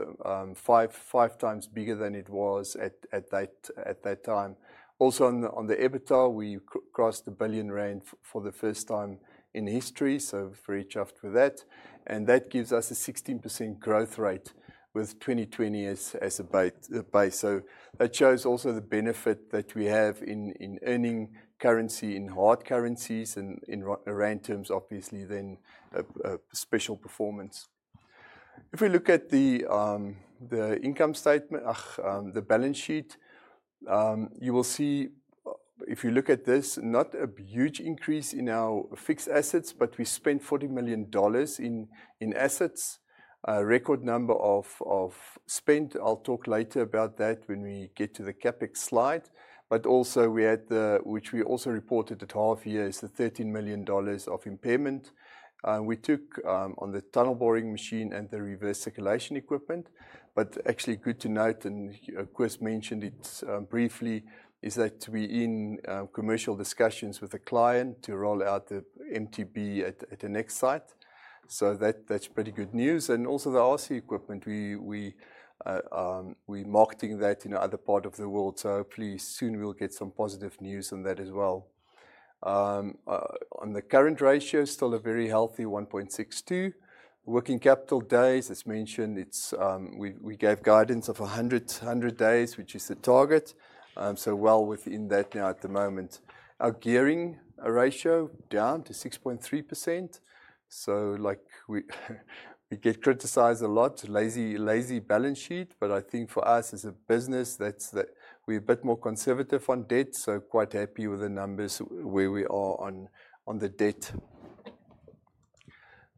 five times bigger than it was at that time. Also on the EBITDA, we crossed 1 billion rand for the first time in history, very chuffed with that. That gives us a 16% growth rate with 2020 as a base. That shows also the benefit that we have in earning currency in hard currencies and in rand terms, obviously then a special performance. If we look at the income statement, the balance sheet, you will see if you look at this, not a huge increase in our fixed assets, but we spent $40 million in assets, a record number of spent. I'll talk later about that when we get to the CapEx slide. We also had, which we also reported at half year, the $13 million of impairment we took on the tunnel boring machine and the reverse circulation equipment. Actually good to note, and Koos mentioned it briefly, we're in commercial discussions with a client to roll out the MTB at the next site. That's pretty good news. The RC equipment, we're marketing that in other parts of the world. Hopefully soon we'll get some positive news on that as well. On the current ratio, still a very healthy 1.62. Working capital days, as mentioned, we gave guidance of 100 days, which is the target. Well within that now at the moment. Our gearing ratio down to 6.3%. We get criticized a lot, lazy balance sheet, but I think for us as a business, we're a bit more conservative on debt, so quite happy with the numbers where we are on the debt.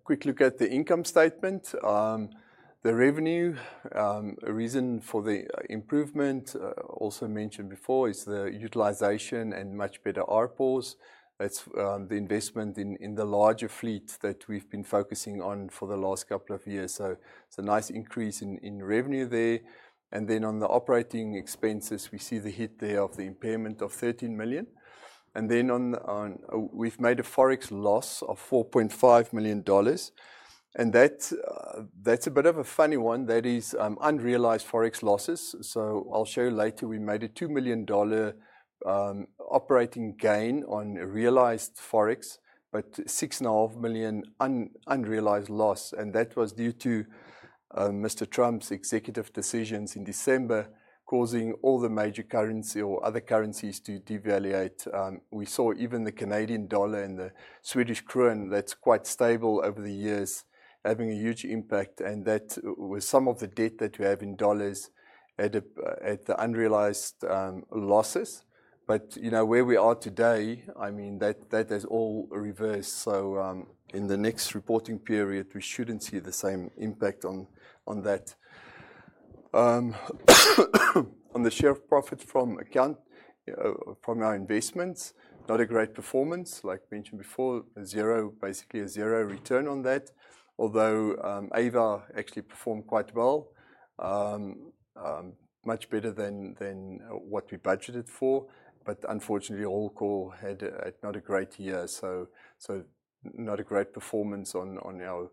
Quick look at the income statement. The revenue, a reason for the improvement also mentioned before is the utilization and much better ARPORs. That's the investment in the larger fleet that we've been focusing on for the last couple of years. It's a nice increase in revenue there. On the operating expenses, we see the hit there of the impairment of $13 million. We've made a forex loss of $4.5 million. That's a bit of a funny one. That is unrealized forex losses. I'll show you later, we made a $2 million operating gain on realized forex, but $6.5 million unrealized loss. That was due to Mr. Trump's executive decisions in December causing all the major currency or other currencies to devalue. We saw even the Canadian dollar and the Swedish krona, that's quite stable over the years, having a huge impact. That was some of the debt that we have in dollars at the unrealized losses. Where we are today, I mean, that has all reversed. In the next reporting period, we should not see the same impact on that. On the share of profit from our investments, not a great performance, like mentioned before, basically a zero return on that. Although AVA actually performed quite well, much better than what we budgeted for. Unfortunately, Hall Core had not a great year, so not a great performance on our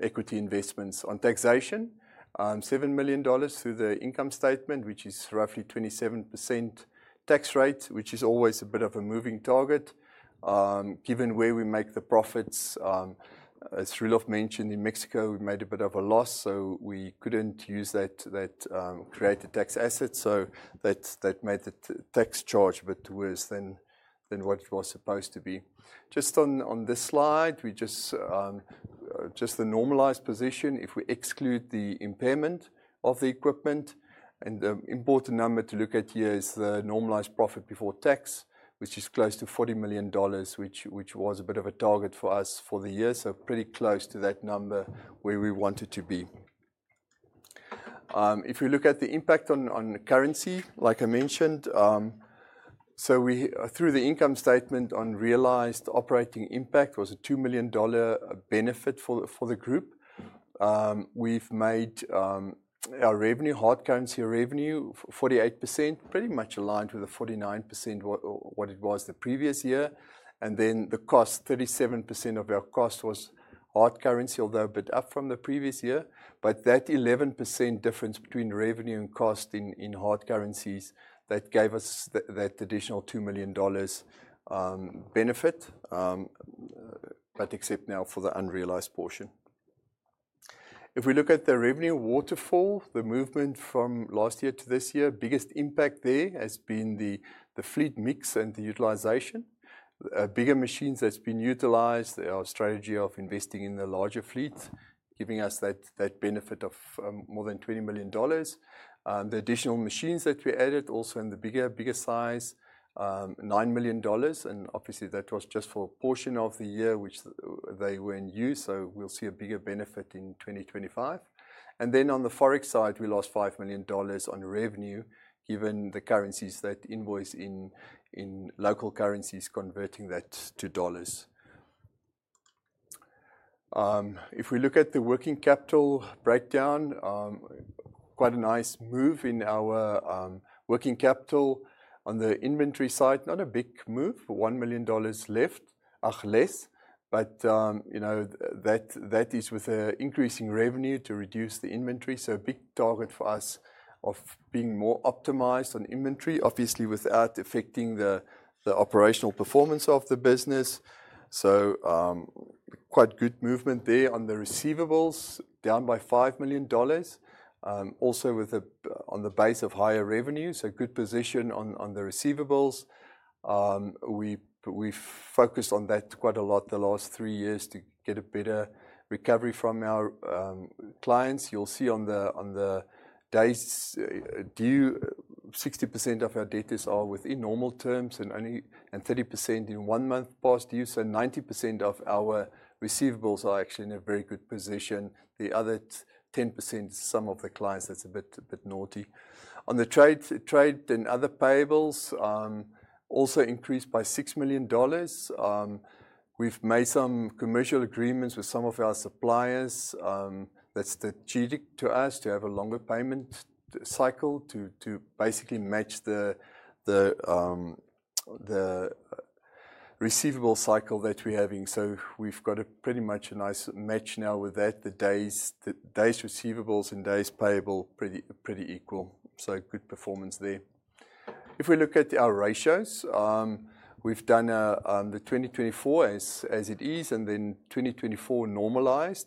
equity investments. On taxation, $7 million through the income statement, which is roughly 27% tax rate, which is always a bit of a moving target. Given where we make the profits, as Roelof mentioned in Mexico, we made a bit of a loss, so we could not use that created tax asset. That made the tax charge a bit worse than what it was supposed to be. Just on this slide, just the normalized position, if we exclude the impairment of the equipment, and the important number to look at here is the normalized profit before tax, which is close to $40 million, which was a bit of a target for us for the year. Pretty close to that number where we wanted to be. If we look at the impact on currency, like I mentioned, through the income statement on realized operating impact was a $2 million benefit for the group. We've made our revenue, hard currency revenue, 48%, pretty much aligned with the 49% what it was the previous year. The cost, 37% of our cost was hard currency, although a bit up from the previous year. That 11% difference between revenue and cost in hard currencies, that gave us that additional $2 million benefit, except now for the unrealized portion. If we look at the revenue waterfall, the movement from last year to this year, biggest impact there has been the fleet mix and the utilization. Bigger machines that's been utilized, our strategy of investing in the larger fleet, giving us that benefit of more than $20 million. The additional machines that we added also in the bigger size, $9 million. Obviously that was just for a portion of the year which they were in use, so we'll see a bigger benefit in 2025. On the forex side, we lost $5 million on revenue given the currencies that invoice in local currencies, converting that to dollars. If we look at the working capital breakdown, quite a nice move in our working capital. On the inventory side, not a big move, $1 million left, a less, but that is with increasing revenue to reduce the inventory. A big target for us of being more optimized on inventory, obviously without affecting the operational performance of the business. Quite good movement there on the receivables, down by $5 million. Also on the base of higher revenue, so good position on the receivables. We've focused on that quite a lot the last three years to get a better recovery from our clients. You'll see on the day's due, 60% of our debtors are within normal terms and 30% in one month past due. So 90% of our receivables are actually in a very good position. The other 10% is some of the clients, that's a bit naughty. On the trade and other payables, also increased by $6 million. We've made some commercial agreements with some of our suppliers. That's strategic to us to have a longer payment cycle to basically match the receivable cycle that we're having. We've got pretty much a nice match now with that, the day's receivables and day's payable pretty equal. Good performance there. If we look at our ratios, we've done the 2024 as it is and then 2024 normalized,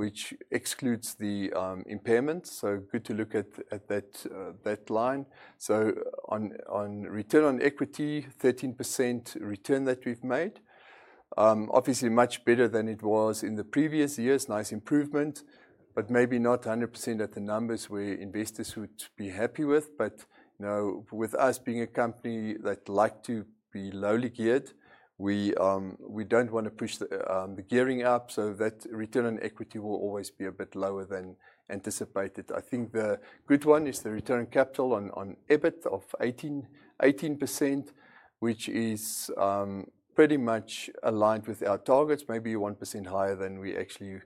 which excludes the impairment. Good to look at that line. On return on equity, 13% return that we've made. Obviously much better than it was in the previous years, nice improvement, but maybe not 100% of the numbers where investors would be happy with. With us being a company that likes to be lowly geared, we don't want to push the gearing up. That return on equity will always be a bit lower than anticipated. I think the good one is the return on capital on EBIT of 18%, which is pretty much aligned with our targets, maybe 1% higher than we actually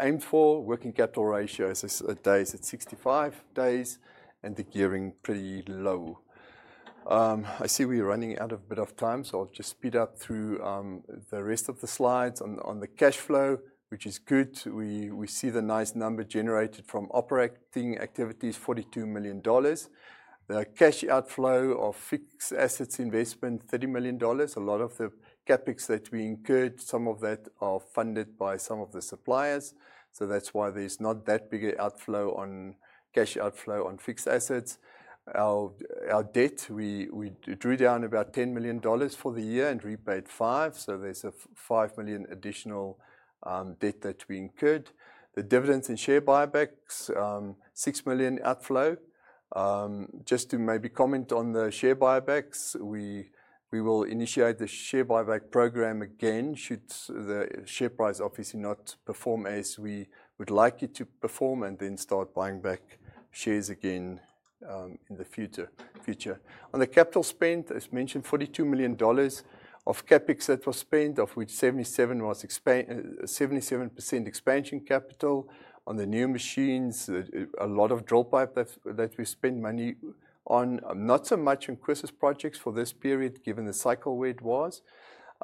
aimed for. Working capital ratio is at 65 days and the gearing pretty low. I see we're running out of a bit of time, so I'll just speed up through the rest of the slides. On the cash flow, which is good, we see the nice number generated from operating activities, $42 million. The cash outflow of fixed assets investment, $30 million. A lot of the CapEx that we incurred, some of that are funded by some of the suppliers. That is why there is not that big an outflow on cash outflow on fixed assets. Our debt, we drew down about $10 million for the year and repaid five. There is a $5 million additional debt that we incurred. The dividends and share buybacks, $6 million outflow. Just to maybe comment on the share buybacks, we will initiate the share buyback program again should the share price obviously not perform as we would like it to perform and then start buying back shares again in the future. On the capital spent, as mentioned, $42 million of CapEx that was spent, of which 77% expansion capital. On the new machines, a lot of drill pipe that we spent money on. Not so much on Christmas projects for this period given the cycle where it was.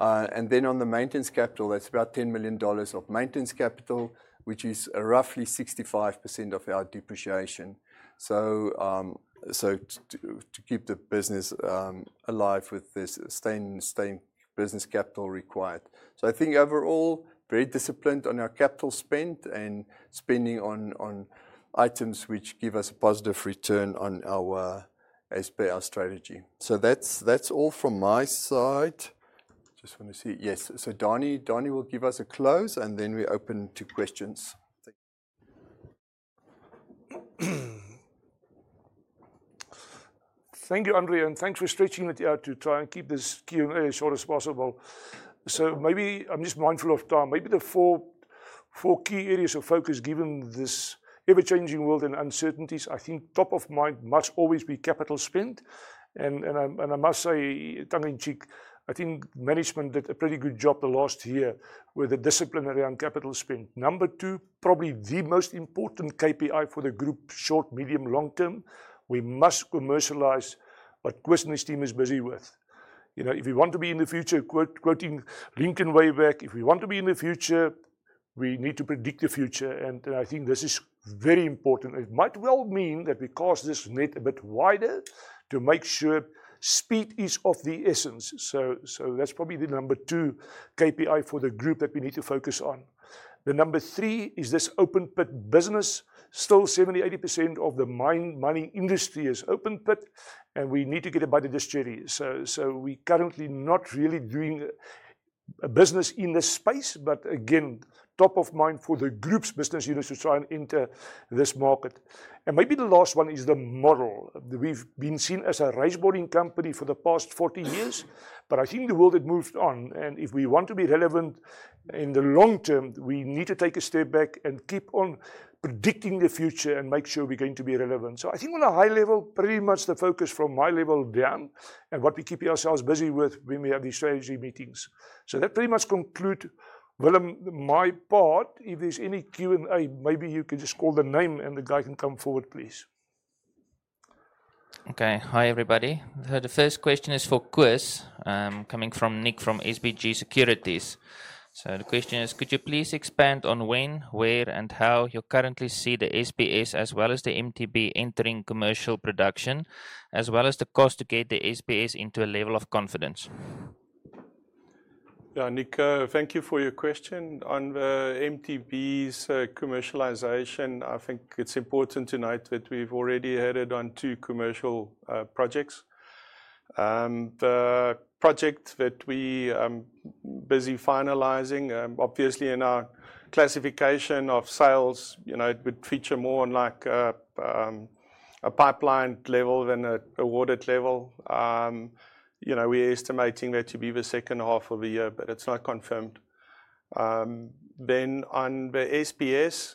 Then on the maintenance capital, that's about $10 million of maintenance capital, which is roughly 65% of our depreciation. To keep the business alive with the same business capital required. I think overall, very disciplined on our capital spent and spending on items which give us a positive return on our strategy. That's all from my side. Just want to see, yes. Danie will give us a close and then we open to questions. Thank you, André, and thanks for stretching it out to try and keep this Q&A as short as possible. Maybe I'm just mindful of time. Maybe the four key areas of focus given this ever-changing world and uncertainties, I think top of mind must always be capital spent. I must say, tongue in cheek, I think management did a pretty good job the last year with the discipline around capital spent. Number two, probably the most important KPI for the group, short, medium, long term, we must commercialize what Koos's team is busy with. If we want to be in the future, quoting Lincoln way back, if we want to be in the future, we need to predict the future. I think this is very important. It might well mean that we cast this net a bit wider to make sure speed is of the essence. That is probably the number two KPI for the group that we need to focus on. The number three is this open pit business. Still 70%-80% of the mining industry is open pit, and we need to get it by the dischargy. We are currently not really doing business in this space, but again, top of mind for the group's business units to try and enter this market. Maybe the last one is the model. We have been seen as a raised boring company for the past 40 years, but I think the world had moved on. If we want to be relevant in the long term, we need to take a step back and keep on predicting the future and make sure we are going to be relevant. I think on a high level, pretty much the focus from my level down and what we keep ourselves busy with when we have these strategy meetings. That pretty much concludes my part. If there's any Q&A, maybe you can just call the name and the guy can come forward, please. Okay, hi everybody. The first question is for Koos, coming from Nick from SBG Securities. The question is, could you please expand on when, where, and how you currently see the SBS as well as the MTB entering commercial production, as well as the cost to get the SBS into a level of confidence? Yeah, Nick, thank you for your question. On the MTB's commercialization, I think it's important to note that we've already headed on two commercial projects. The project that we are busy finalizing, obviously in our classification of sales, it would feature more on a pipeline level than an awarded level. We're estimating that to be the second half of the year, but it's not confirmed. On the SBS,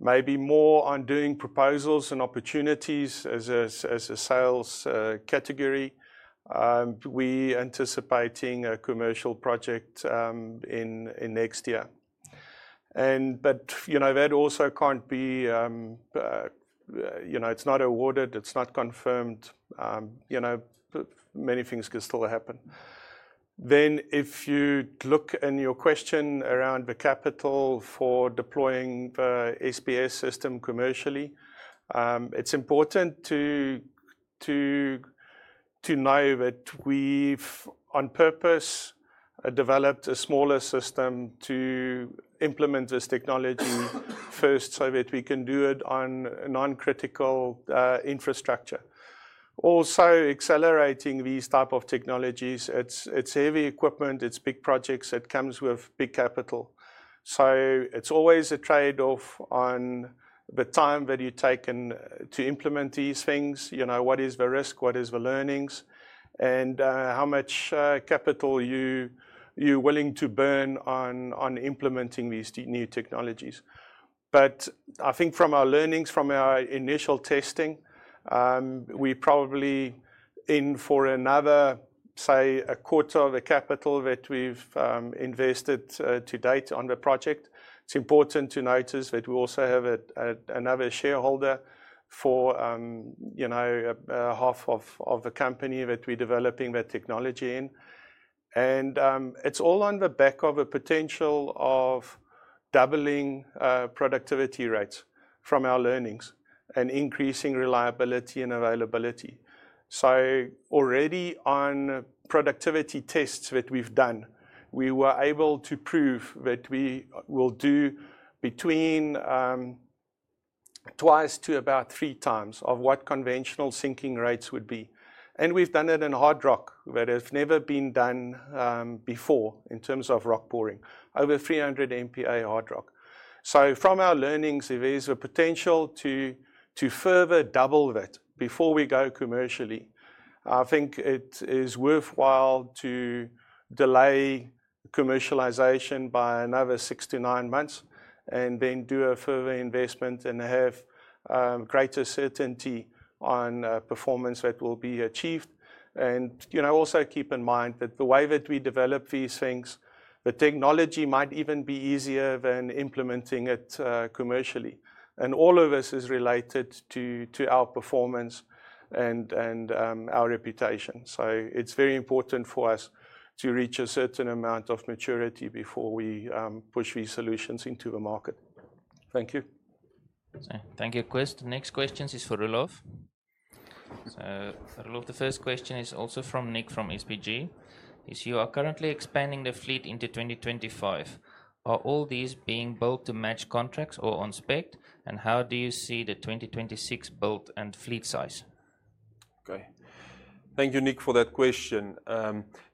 maybe more on doing proposals and opportunities as a sales category. We're anticipating a commercial project in next year. That also can't be, it's not awarded, it's not confirmed. Many things could still happen. If you look in your question around the capital for deploying the SBS system commercially, it's important to know that we've on purpose developed a smaller system to implement this technology first so that we can do it on non-critical infrastructure. Also accelerating these types of technologies, it's heavy equipment, it's big projects, it comes with big capital. It is always a trade-off on the time that you take to implement these things, what is the risk, what is the learnings, and how much capital you're willing to burn on implementing these new technologies. I think from our learnings, from our initial testing, we're probably in for another, say, a quarter of the capital that we've invested to date on the project. It's important to notice that we also have another shareholder for half of the company that we're developing that technology in. It is all on the back of a potential of doubling productivity rates from our learnings and increasing reliability and availability. Already on productivity tests that we've done, we were able to prove that we will do between twice to about three times of what conventional sinking rates would be. We've done it in hard rock that has never been done before in terms of rock boring, over 300 MPa hard rock. From our learnings, if there's a potential to further double that before we go commercially, I think it is worthwhile to delay commercialization by another six to nine months and then do a further investment and have greater certainty on performance that will be achieved. Also keep in mind that the way that we develop these things, the technology might even be easier than implementing it commercially. All of this is related to our performance and our reputation. It is very important for us to reach a certain amount of maturity before we push these solutions into the market. Thank you. Thank you, Koos. The next question is for Roelof. Roelof, the first question is also from Nick from SBG. You are currently expanding the fleet into 2025. Are all these being built to match contracts or on spec? How do you see the 2026 built and fleet size? Okay, thank you, Nick, for that question.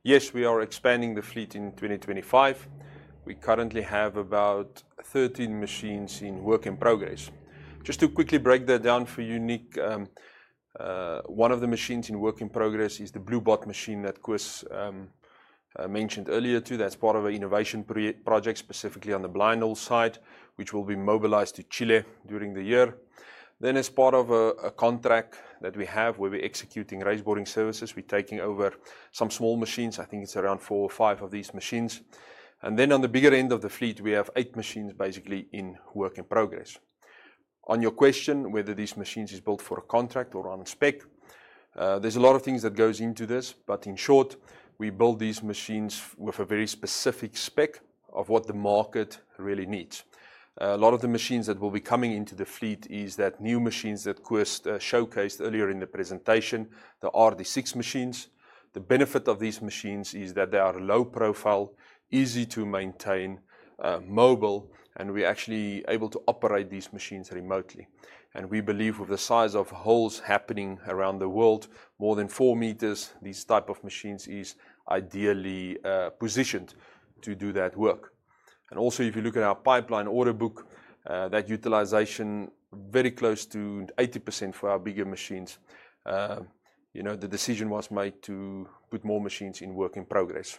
Yes, we are expanding the fleet in 2025. We currently have about 13 machines in work in progress. Just to quickly break that down for you, Nick, one of the machines in work in progress is the Bluebot that Koos mentioned earlier too. That is part of an innovation project specifically on the blind hole side, which will be mobilized to Chile during the year. As part of a contract that we have where we are executing raised boring services, we are taking over some small machines. I think it is around four or five of these machines. On the bigger end of the fleet, we have eight machines basically in work in progress. On your question whether these machines are built for a contract or on spec, there's a lot of things that go into this, but in short, we build these machines with a very specific spec of what the market really needs. A lot of the machines that will be coming into the fleet are that new machines that Koos showcased earlier in the presentation, the RD6 machines. The benefit of these machines is that they are low profile, easy to maintain, mobile, and we're actually able to operate these machines remotely. We believe with the size of holes happening around the world, more than 4 meters, these types of machines are ideally positioned to do that work. Also, if you look at our pipeline order book, that utilization is very close to 80% for our bigger machines. The decision was made to put more machines in work in progress.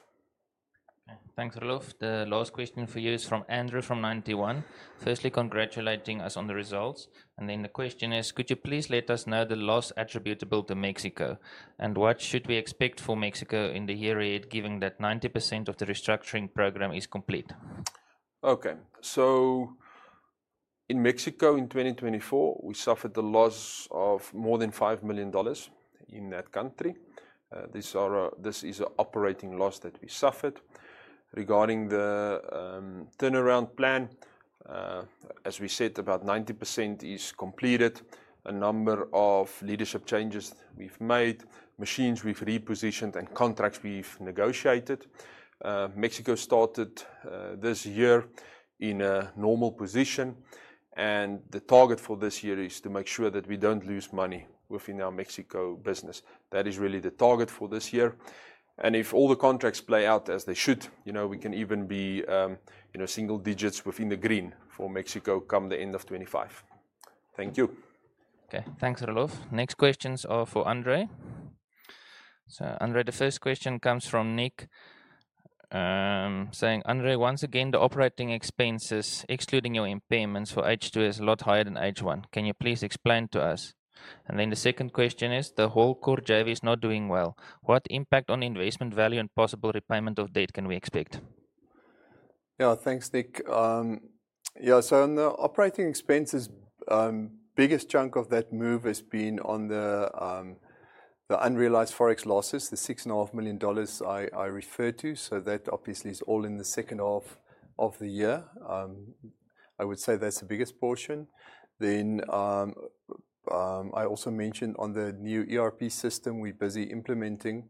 Thanks, Roelof. The last question for you is from Andrew from 91. Firstly, congratulating us on the results. The question is, could you please let us know the loss attributable to Mexico? What should we expect for Mexico in the year ahead, given that 90% of the restructuring program is complete? Okay, so in Mexico in 2024, we suffered the loss of more than $5 million in that country. This is an operating loss that we suffered. Regarding the turnaround plan, as we said, about 90% is completed. A number of leadership changes we've made, machines we've repositioned, and contracts we've negotiated. Mexico started this year in a normal position. The target for this year is to make sure that we don't lose money within our Mexico business. That is really the target for this year. If all the contracts play out as they should, we can even be single digits within the green for Mexico come the end of 2025. Thank you. Okay, thanks, Roelof. Next questions are for André. The first question comes from Nick, saying, "André, once again, the operating expenses, excluding your impairments for H2, are a lot higher than H1. Can you please explain to us?" The second question is, "The Hall Core JV is not doing well. What impact on investment value and possible repayment of debt can we expect? Yeah, thanks, Nick. Yeah, so on the operating expenses, the biggest chunk of that move has been on the unrealized forex losses, the $6.5 million I referred to. That obviously is all in the second half of the year. I would say that's the biggest portion. I also mentioned on the new ERP system we're busy implementing.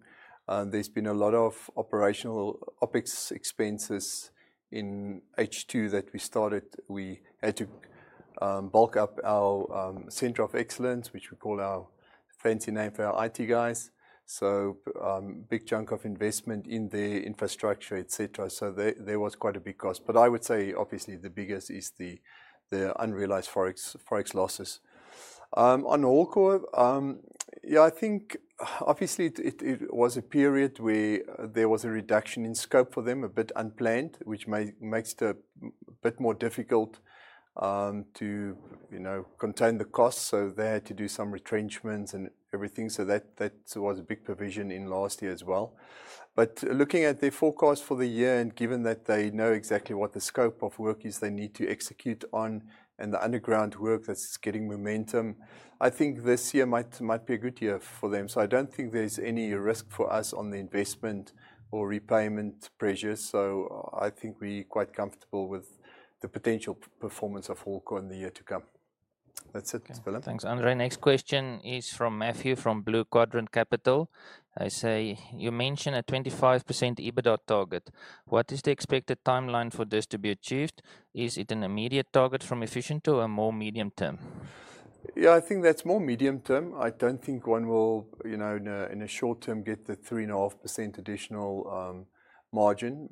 There's been a lot of operational OpEx expenses in H2 that we started. We had to bulk up our center of excellence, which we call our fancy name for our IT guys. A big chunk of investment in the infrastructure, et cetera. There was quite a big cost. I would say obviously the biggest is the unrealized forex losses. On Hall Core, yeah, I think obviously it was a period where there was a reduction in scope for them, a bit unplanned, which makes it a bit more difficult to contain the costs. They had to do some retrenchments and everything. That was a big provision in last year as well. Looking at their forecast for the year, and given that they know exactly what the scope of work is they need to execute on and the underground work that's getting momentum, I think this year might be a good year for them. I do not think there's any risk for us on the investment or repayment pressures. I think we're quite comfortable with the potential performance of all core in the year to come. That's it, Willem. Thanks, André. Next question is from Matthew from Blue Quadrant Capital. They say, "You mentioned a 25% EBITDA target. What is the expected timeline for this to be achieved? Is it an immediate target from efficient to a more medium term? Yeah, I think that's more medium term. I don't think one will, in a short term, get the 3.5% additional margin.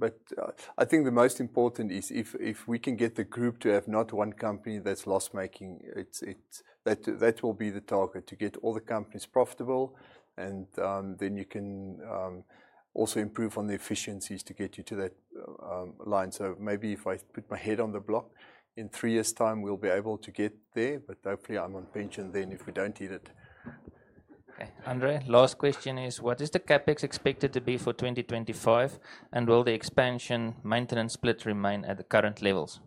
I think the most important is if we can get the group to have not one company that's loss making, that will be the target to get all the companies profitable. You can also improve on the efficiencies to get you to that line. Maybe if I put my head on the block, in three years' time, we'll be able to get there. Hopefully I'm on pension then if we don't hit it. Okay, André, last question is, "What is the CapEx expected to be for 2025? Will the expansion maintenance split remain at the current levels?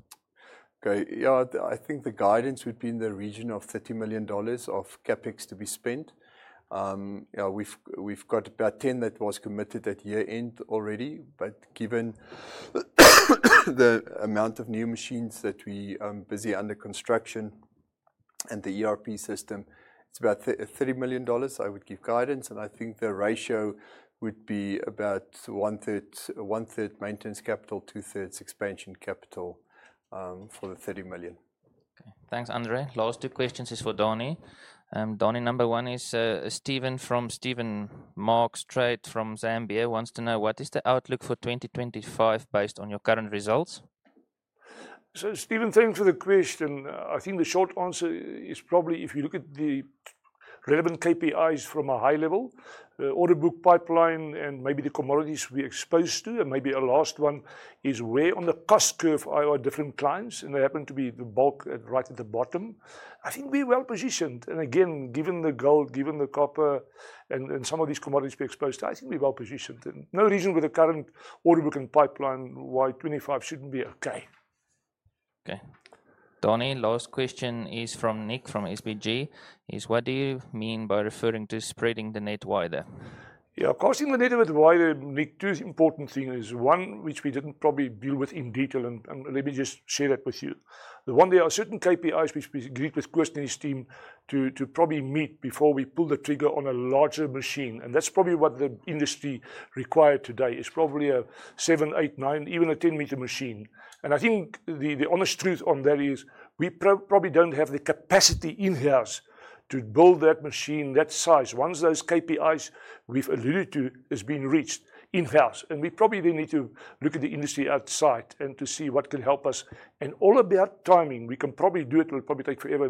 Okay, yeah, I think the guidance would be in the region of $30 million of CapEx to be spent. We've got about $10 million that was committed at year end already. Given the amount of new machines that we are busy under construction and the ERP system, it's about $30 million. I would give guidance. I think the ratio would be about one third maintenance capital, two thirds expansion capital for the $30 million. Okay, thanks, André. Last two questions is for Danie. Danie, number one is Steven from Steven Marks Trade from Zambia wants to know, "What is the outlook for 2025 based on your current results? Steven, thanks for the question. I think the short answer is probably if you look at the relevant KPIs from a high level, the order book pipeline and maybe the commodities we're exposed to. Maybe a last one is where on the cost curve are different clients. They happen to be the bulk right at the bottom. I think we're well positioned. Again, given the gold, given the copper and some of these commodities we're exposed to, I think we're well positioned. No reason with the current order book and pipeline why 2025 shouldn't be okay. Okay, Danie, last question is from Nick from SBG. He says, "What do you mean by referring to spreading the net wider? Yeah, casting the net wider is two important things. One, which we didn't probably deal with in detail, and let me just share that with you. The one, there are certain KPIs which we agreed with Koos and his team to probably meet before we pull the trigger on a larger machine. That's probably what the industry requires today. It's probably a 7, 8, 9, even a 10-meter machine. I think the honest truth on that is we probably don't have the capacity in-house to build that machine that size. Once those KPIs we've alluded to have been reached in-house, we probably need to look at the industry outside and see what can help us. It's all about timing, we can probably do it. It will probably take forever.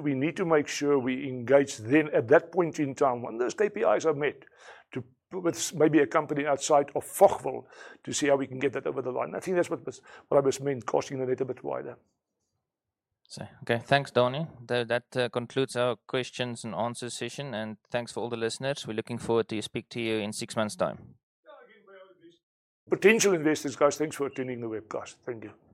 We need to make sure we engage then at that point in time when those KPIs are met with maybe a company outside of Fochville to see how we can get that over the line. I think that's what I meant, casting the net a bit wider. Okay, thanks, Danie. That concludes our questions and answers session. Thanks for all the listeners. We're looking forward to speaking to you in six months' time. Potential investors, guys, thanks for attending the webcast. Thank you.